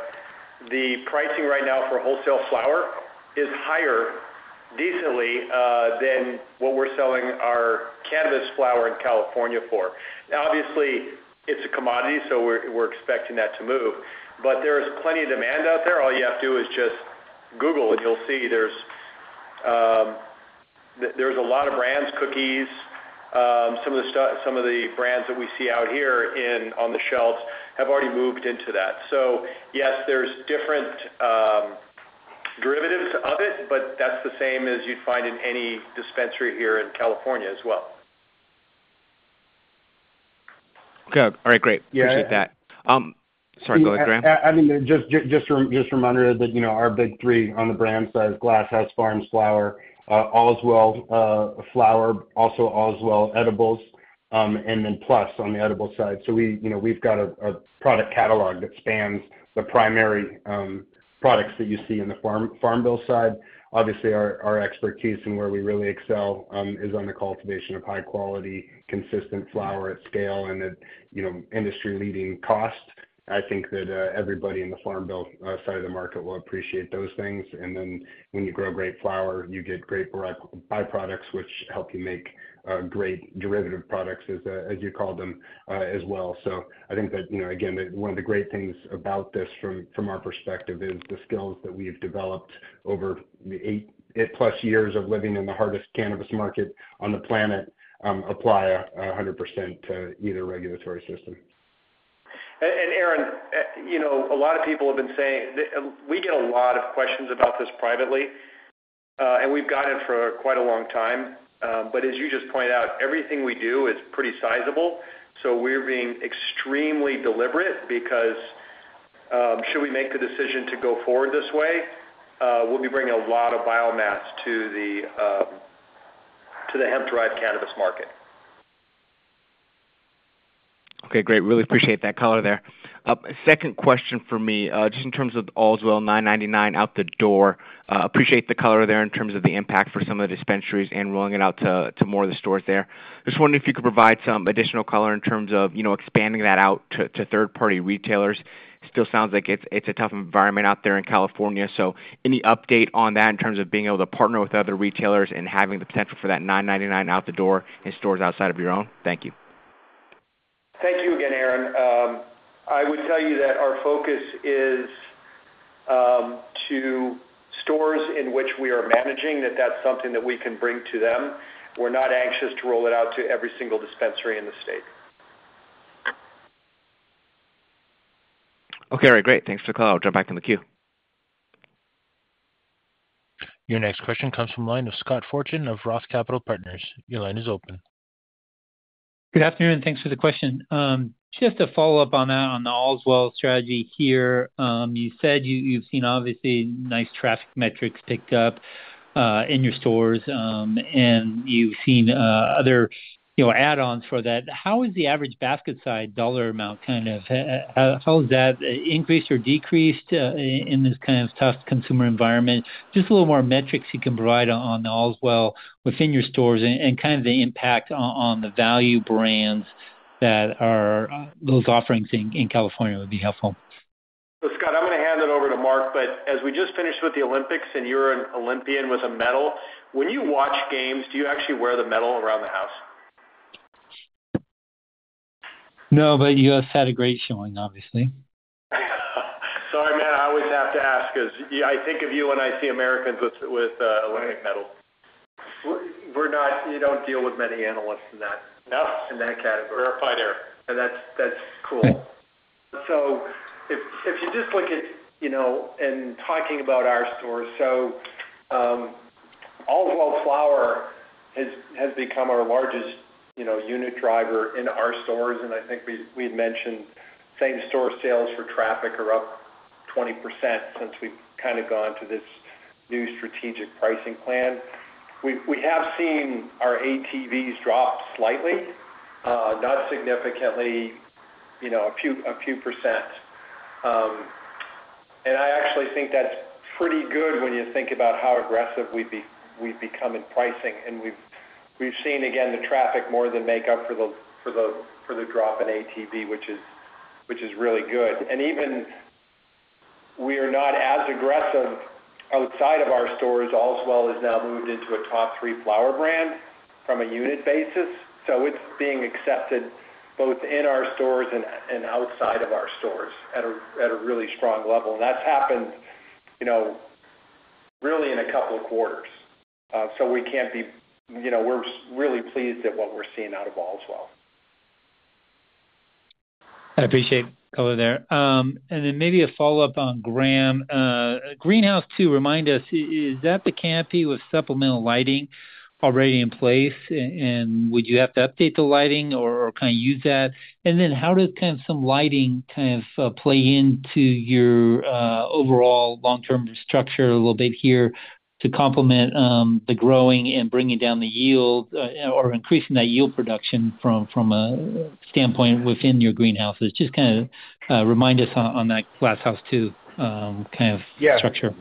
the pricing right now for wholesale flower is higher, decently, than what we're selling our cannabis flower in California for. Now, obviously, it's a commodity, so we're expecting that to move. But there is plenty of demand out there. All you have to do is just Google, and you'll see there's that there's a lot of brands, Cookies, some of the brands that we see out here in, on the shelves have already moved into that. So yes, there's different derivatives of it, but that's the same as you'd find in any dispensary here in California as well. Good. All right, great. Yeah- Appreciate that. Sorry, go ahead, Graham. I mean, just a reminder that, you know, our big three on the brand side, Glass House Farms flower, Allswell flower, also Allswell edibles, and then Plus on the edibles side. So we, you know, we've got a product catalog that spans the primary products that you see in the Farm Bill side. Obviously, our expertise and where we really excel is on the cultivation of high quality, consistent flower at scale and at, you know, industry-leading cost. I think that everybody in the Farm Bill side of the market will appreciate those things. And then when you grow great flower, you get great byproducts, which help you make great derivative products, as you call them, as well. I think that, you know, again, one of the great things about this from our perspective is the skills that we've developed over the 8+ years of living in the hardest cannabis market on the planet apply 100% to either regulatory system. Aaron, you know, a lot of people have been saying... We get a lot of questions about this privately, and we've gotten it for quite a long time. But as you just pointed out, everything we do is pretty sizable, so we're being extremely deliberate, because should we make the decision to go forward this way, we'll be bringing a lot of biomass to the hemp-derived cannabis market. Okay, great. Really appreciate that color there. Second question for me, just in terms of Allswell $9.99 out the door, appreciate the color there in terms of the impact for some of the dispensaries and rolling it out to more of the stores there. Just wondering if you could provide some additional color in terms of, you know, expanding that out to third-party retailers. Still sounds like it's a tough environment out there in California, so any update on that in terms of being able to partner with other retailers and having the potential for that $9.99 out the door in stores outside of your own? Thank you. Thank you again, Aaron. I would tell you that our focus is to stores in which we are managing, that that's something that we can bring to them. We're not anxious to roll it out to every single dispensary in the state. Okay. All right, great. Thanks for the call. I'll drop back in the queue. Your next question comes from the line of Scott Fortune of Roth Capital Partners. Your line is open. Good afternoon, thanks for the question. Just to follow up on that, on the Allswell strategy here, you said you've seen obviously nice traffic metrics ticked up in your stores, and you've seen other, you know, add-ons for that. How is the average basket size dollar amount kind of? How has that increased or decreased in this kind of tough consumer environment? Just a little more metrics you can provide on the Allswell within your stores and kind of the impact on the value brands that are those offerings in California would be helpful. So Scott, I'm gonna hand it over to Mark, but as we just finished with the Olympics, and you're an Olympian with a medal, when you watch games, do you actually wear the medal around the house? No, but you have had a great showing, obviously. Sorry, man, I always have to ask because I think of you when I see Americans with Olympic medals. We're not—you don't deal with many analysts in that— No? in that category. Verify there. That's, that's cool. Right. So if you just look at, you know, in talking about our stores, so, Allswell flower has become our largest, you know, unit driver in our stores, and I think we had mentioned same store sales for traffic are up 20% since we've kind of gone to this new strategic pricing plan. We have seen our ATVs drop slightly, not significantly, you know, a few percent. And I actually think that's pretty good when you think about how aggressive we've become in pricing, and we've seen, again, the traffic more than make up for the drop in ATV, which is really good. And even we are not as aggressive outside of our stores, Allswell has now moved into a top three flower brand from a unit basis, so it's being accepted both in our stores and, and outside of our stores at a, at a really strong level. And that's happened, you know, really in a couple of quarters. So we can't be... You know, we're really pleased at what we're seeing out of Allswell. I appreciate the color there. And then maybe a follow-up on Graham. Greenhouse 2, remind us, is that the canopy with supplemental lighting already in place? And would you have to update the lighting or kind of use that? And then how does some lighting play into your overall long-term structure a little bit here? ... to complement the growing and bringing down the yield or increasing that yield production from a standpoint within your greenhouses. Just kind of remind us on that Glass House 2, kind of- Yeah -structure.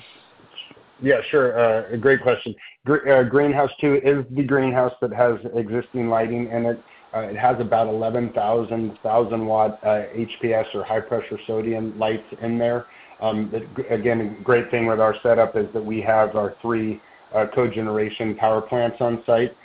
Yeah, sure. A great question. Greenhouse 2 is the greenhouse that has existing lighting in it. It has about 11,000 1,000-watt HPS or high-pressure sodium lights in there. Again, great thing with our setup is that we have our three co-generation power plants on site.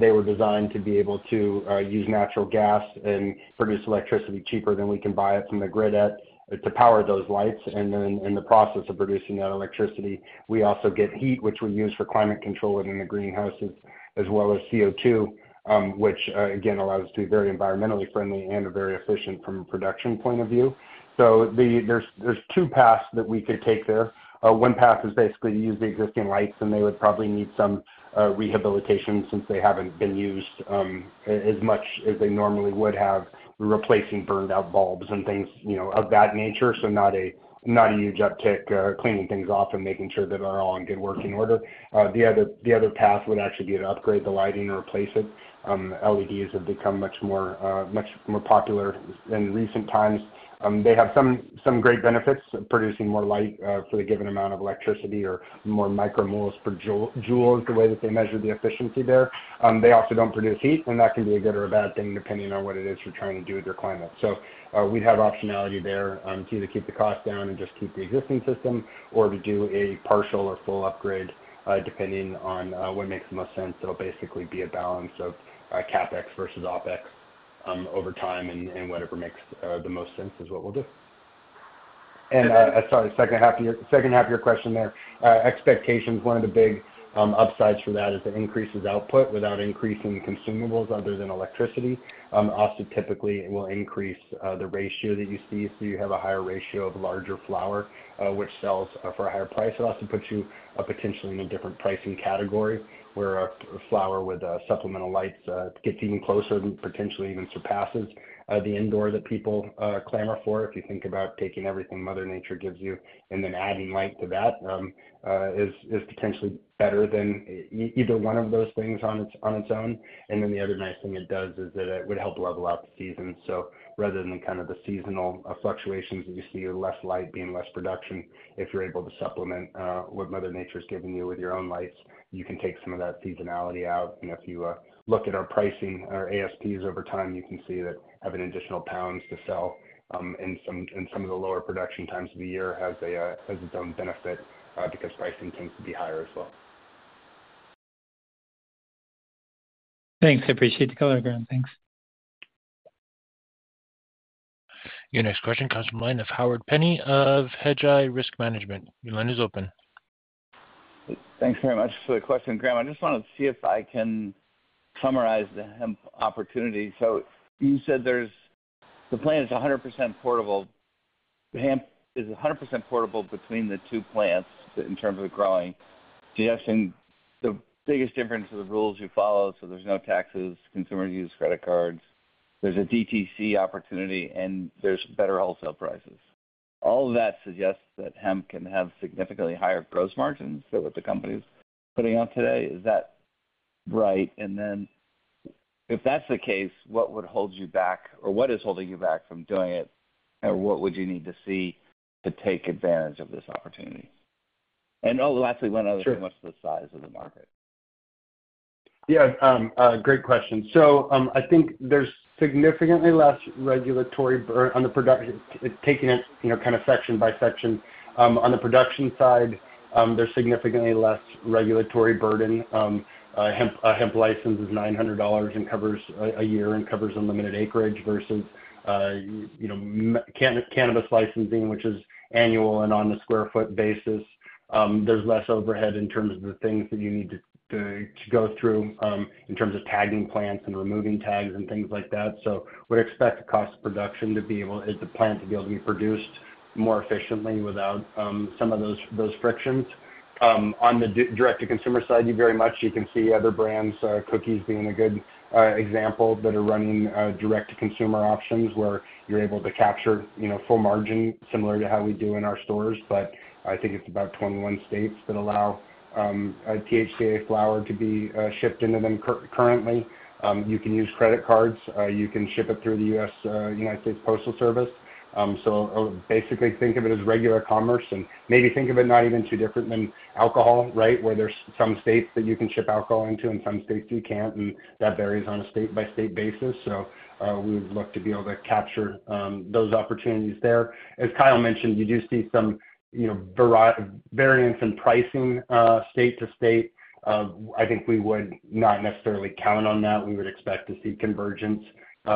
They were designed to be able to use natural gas and produce electricity cheaper than we can buy it from the grid at, to power those lights. And then in the process of producing that electricity, we also get heat, which we use for climate control within the greenhouses, as well as CO2, which again allows us to be very environmentally friendly and very efficient from a production point of view. So there's two paths that we could take there. One path is basically to use the existing lights, and they would probably need some rehabilitation since they haven't been used as much as they normally would have, replacing burned-out bulbs and things, you know, of that nature. So not a huge uptick, cleaning things off and making sure that they're all in good working order. The other path would actually be to upgrade the lighting or replace it. LEDs have become much more popular in recent times. They have some great benefits, producing more light for the given amount of electricity or more micromoles per joule, the way that they measure the efficiency there. They also don't produce heat, and that can be a good or a bad thing, depending on what it is you're trying to do with your climate. So, we'd have optionality there to either keep the cost down and just keep the existing system or to do a partial or full upgrade, depending on what makes the most sense. It'll basically be a balance of CapEx versus OpEx over time, and whatever makes the most sense is what we'll do. And, sorry, the second half of your, second half of your question there. Expectations, one of the big upsides from that is it increases output without increasing consumables other than electricity. Also, typically, it will increase the ratio that you see, so you have a higher ratio of larger flower, which sells for a higher price. It also puts you potentially in a different pricing category, where a flower with supplemental lights gets even closer and potentially even surpasses the indoor that people clamor for. If you think about taking everything Mother Nature gives you and then adding light to that, is potentially better than either one of those things on its own. And then the other nice thing it does is that it would help level out the season. So rather than kind of the seasonal fluctuations, you see less light being less production. If you're able to supplement what Mother Nature's giving you with your own lights, you can take some of that seasonality out. And if you look at our pricing, our ASPs over time, you can see that having additional lbs to sell in some of the lower production times of the year has its own benefit because pricing tends to be higher as well. Thanks. I appreciate the color, Graham. Thanks. Your next question comes from the line of Howard Penney of Hedgeye Risk Management. Your line is open. Thanks very much. So the question, Graham, I just wanted to see if I can summarize the hemp opportunity. So you said the plan is 100% portable. The hemp is 100% portable between the two plants in terms of the growing. The biggest difference is the rules you follow, so there's no taxes, consumers use credit cards, there's a DTC opportunity, and there's better wholesale prices. All that suggests that hemp can have significantly higher gross margins than what the company's putting out today. Is that right? And then if that's the case, what would hold you back, or what is holding you back from doing it? And what would you need to see to take advantage of this opportunity? And oh, lastly, one other- Sure. What's the size of the market? Yeah, great question. So, I think there's significantly less regulatory burden on the production. Taking it, you know, kind of section by section, on the production side, there's significantly less regulatory burden. Hemp, a hemp license is $900 and covers a year, and covers unlimited acreage versus, you know, cannabis licensing, which is annual and on a square foot basis. There's less overhead in terms of the things that you need to go through, in terms of tagging plants and removing tags and things like that. So we'd expect the cost of production to be able as the plant to be able to be produced more efficiently without some of those frictions. On the direct-to-consumer side, you very much, you can see other brands, Cookies being a good example, that are running direct-to-consumer options, where you're able to capture, you know, full margin, similar to how we do in our stores. But I think it's about 21 states that allow a THCA flower to be shipped into them currently. You can use credit cards, you can ship it through the U.S. United States Postal Service. So basically, think of it as regular commerce and maybe think of it not even too different than alcohol, right? Where there's some states that you can ship alcohol into and some states you can't, and that varies on a state-by-state basis. So, we would look to be able to capture those opportunities there. As Kyle mentioned, you do see some, you know, variance in pricing, state to state. I think we would not necessarily count on that. We would expect to see convergence,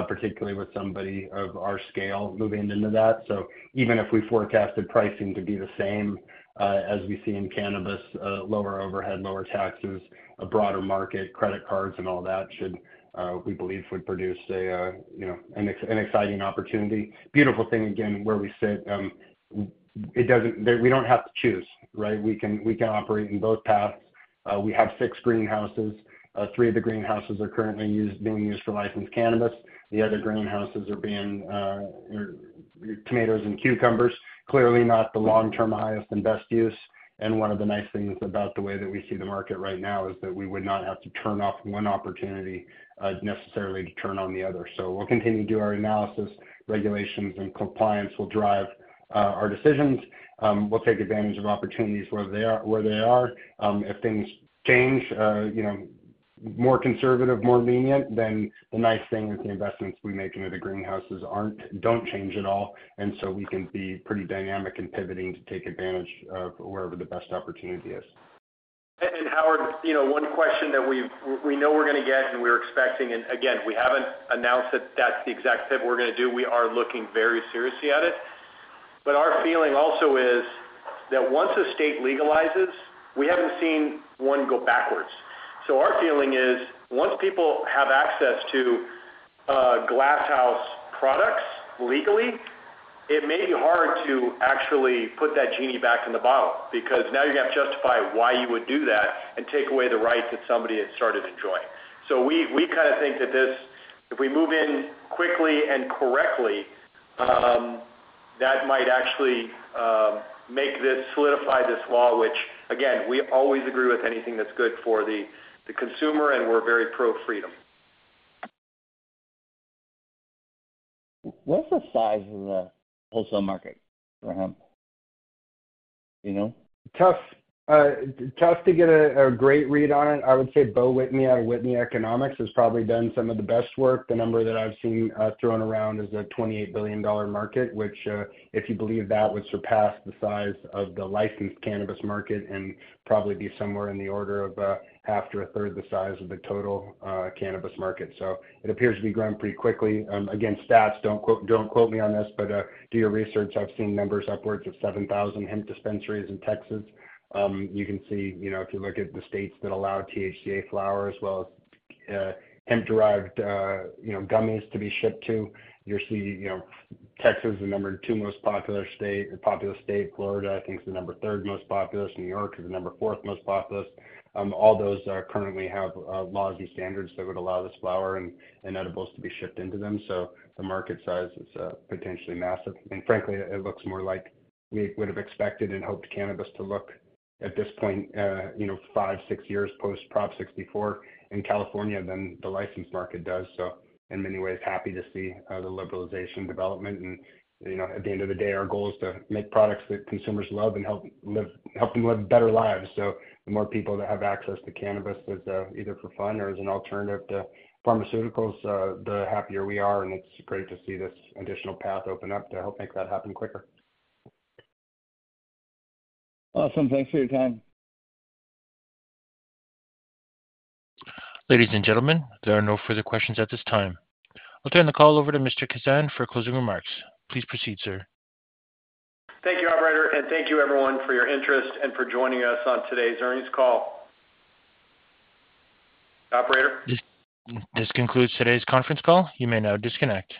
particularly with somebody of our scale moving into that. So even if we forecasted pricing to be the same, as we see in cannabis, lower overhead, lower taxes, a broader market, credit cards and all that should, we believe, would produce a, you know, an exciting opportunity. Beautiful thing again, where we sit, it doesn't-- we don't have to choose, right? We can, we can operate in both paths. We have six greenhouses. Three of the greenhouses are currently used, being used for licensed cannabis. The other greenhouses are being tomatoes and cucumbers. Clearly not the long-term highest and best use, and one of the nice things about the way that we see the market right now is that we would not have to turn off one opportunity, necessarily to turn on the other. So we'll continue to do our analysis, regulations, and compliance will drive our decisions. We'll take advantage of opportunities where they are, where they are. If things change, you know, more conservative, more lenient, then the nice thing is the investments we make into the greenhouses don't change at all, and so we can be pretty dynamic in pivoting to take advantage of wherever the best opportunity is. And Howard, you know, one question that we've, we know we're gonna get, and we're expecting, and again, we haven't annozd that that's the exact pivot we're gonna do. We are looking very seriously at it. But our feeling also is that once a state legalizes, we haven't seen one go backwards. So our feeling is once people have access to Glass House products legally, it may be hard to actually put that genie back in the bottle, because now you're gonna have to justify why you would do that and take away the right that somebody had started enjoying. So we, we kind of think that this, if we move in quickly and correctly, that might actually make this solidify this law, which again, we always agree with anything that's good for the consumer, and we're very pro-freedom. What's the size of the wholesale market for hemp? Do you know? Tough, tough to get a great read on it. I would say Beau Whitney out of Whitney Economics has probably done some of the best work. The number that I've seen thrown around is a $28 billion market, which, if you believe that, would surpass the size of the licensed cannabis market and probably be somewhere in the order of half to a third the size of the total cannabis market. So it appears to be growing pretty quickly. Again, stats, don't quote, don't quote me on this, but do your research. I've seen numbers upwards of 7,000 hemp dispensaries in Texas. You can see, you know, if you look at the states that allow THCA flowers, well, hemp-derived, you know, gummies to be shipped to, you're seeing, you know, Texas is the number two most popular state, populous state. Florida, I think, is the number three most populous. New York is the number four most populous. All those currently have laws and standards that would allow this flower and, and edibles to be shipped into them. So the market size is potentially massive, and frankly, it looks more like we would have expected and hoped cannabis to look at this point, you know, five, six years post-Prop 64 in California than the licensed market does. So in many ways, happy to see the liberalization development. You know, at the end of the day, our goal is to make products that consumers love and help live, help them live better lives. So the more people that have access to cannabis as either for fun or as an alternative to pharmaceuticals, the happier we are, and it's great to see this additional path open up to help make that happen quicker. Awesome. Thanks for your time. Ladies and gentlemen, there are no further questions at this time. I'll turn the call over to Mr. Kazan for closing remarks. Please proceed, sir. Thank you, operator, and thank you everyone for your interest and for joining us on today's earnings call. Operator? This concludes today's conference call. You may now disconnect.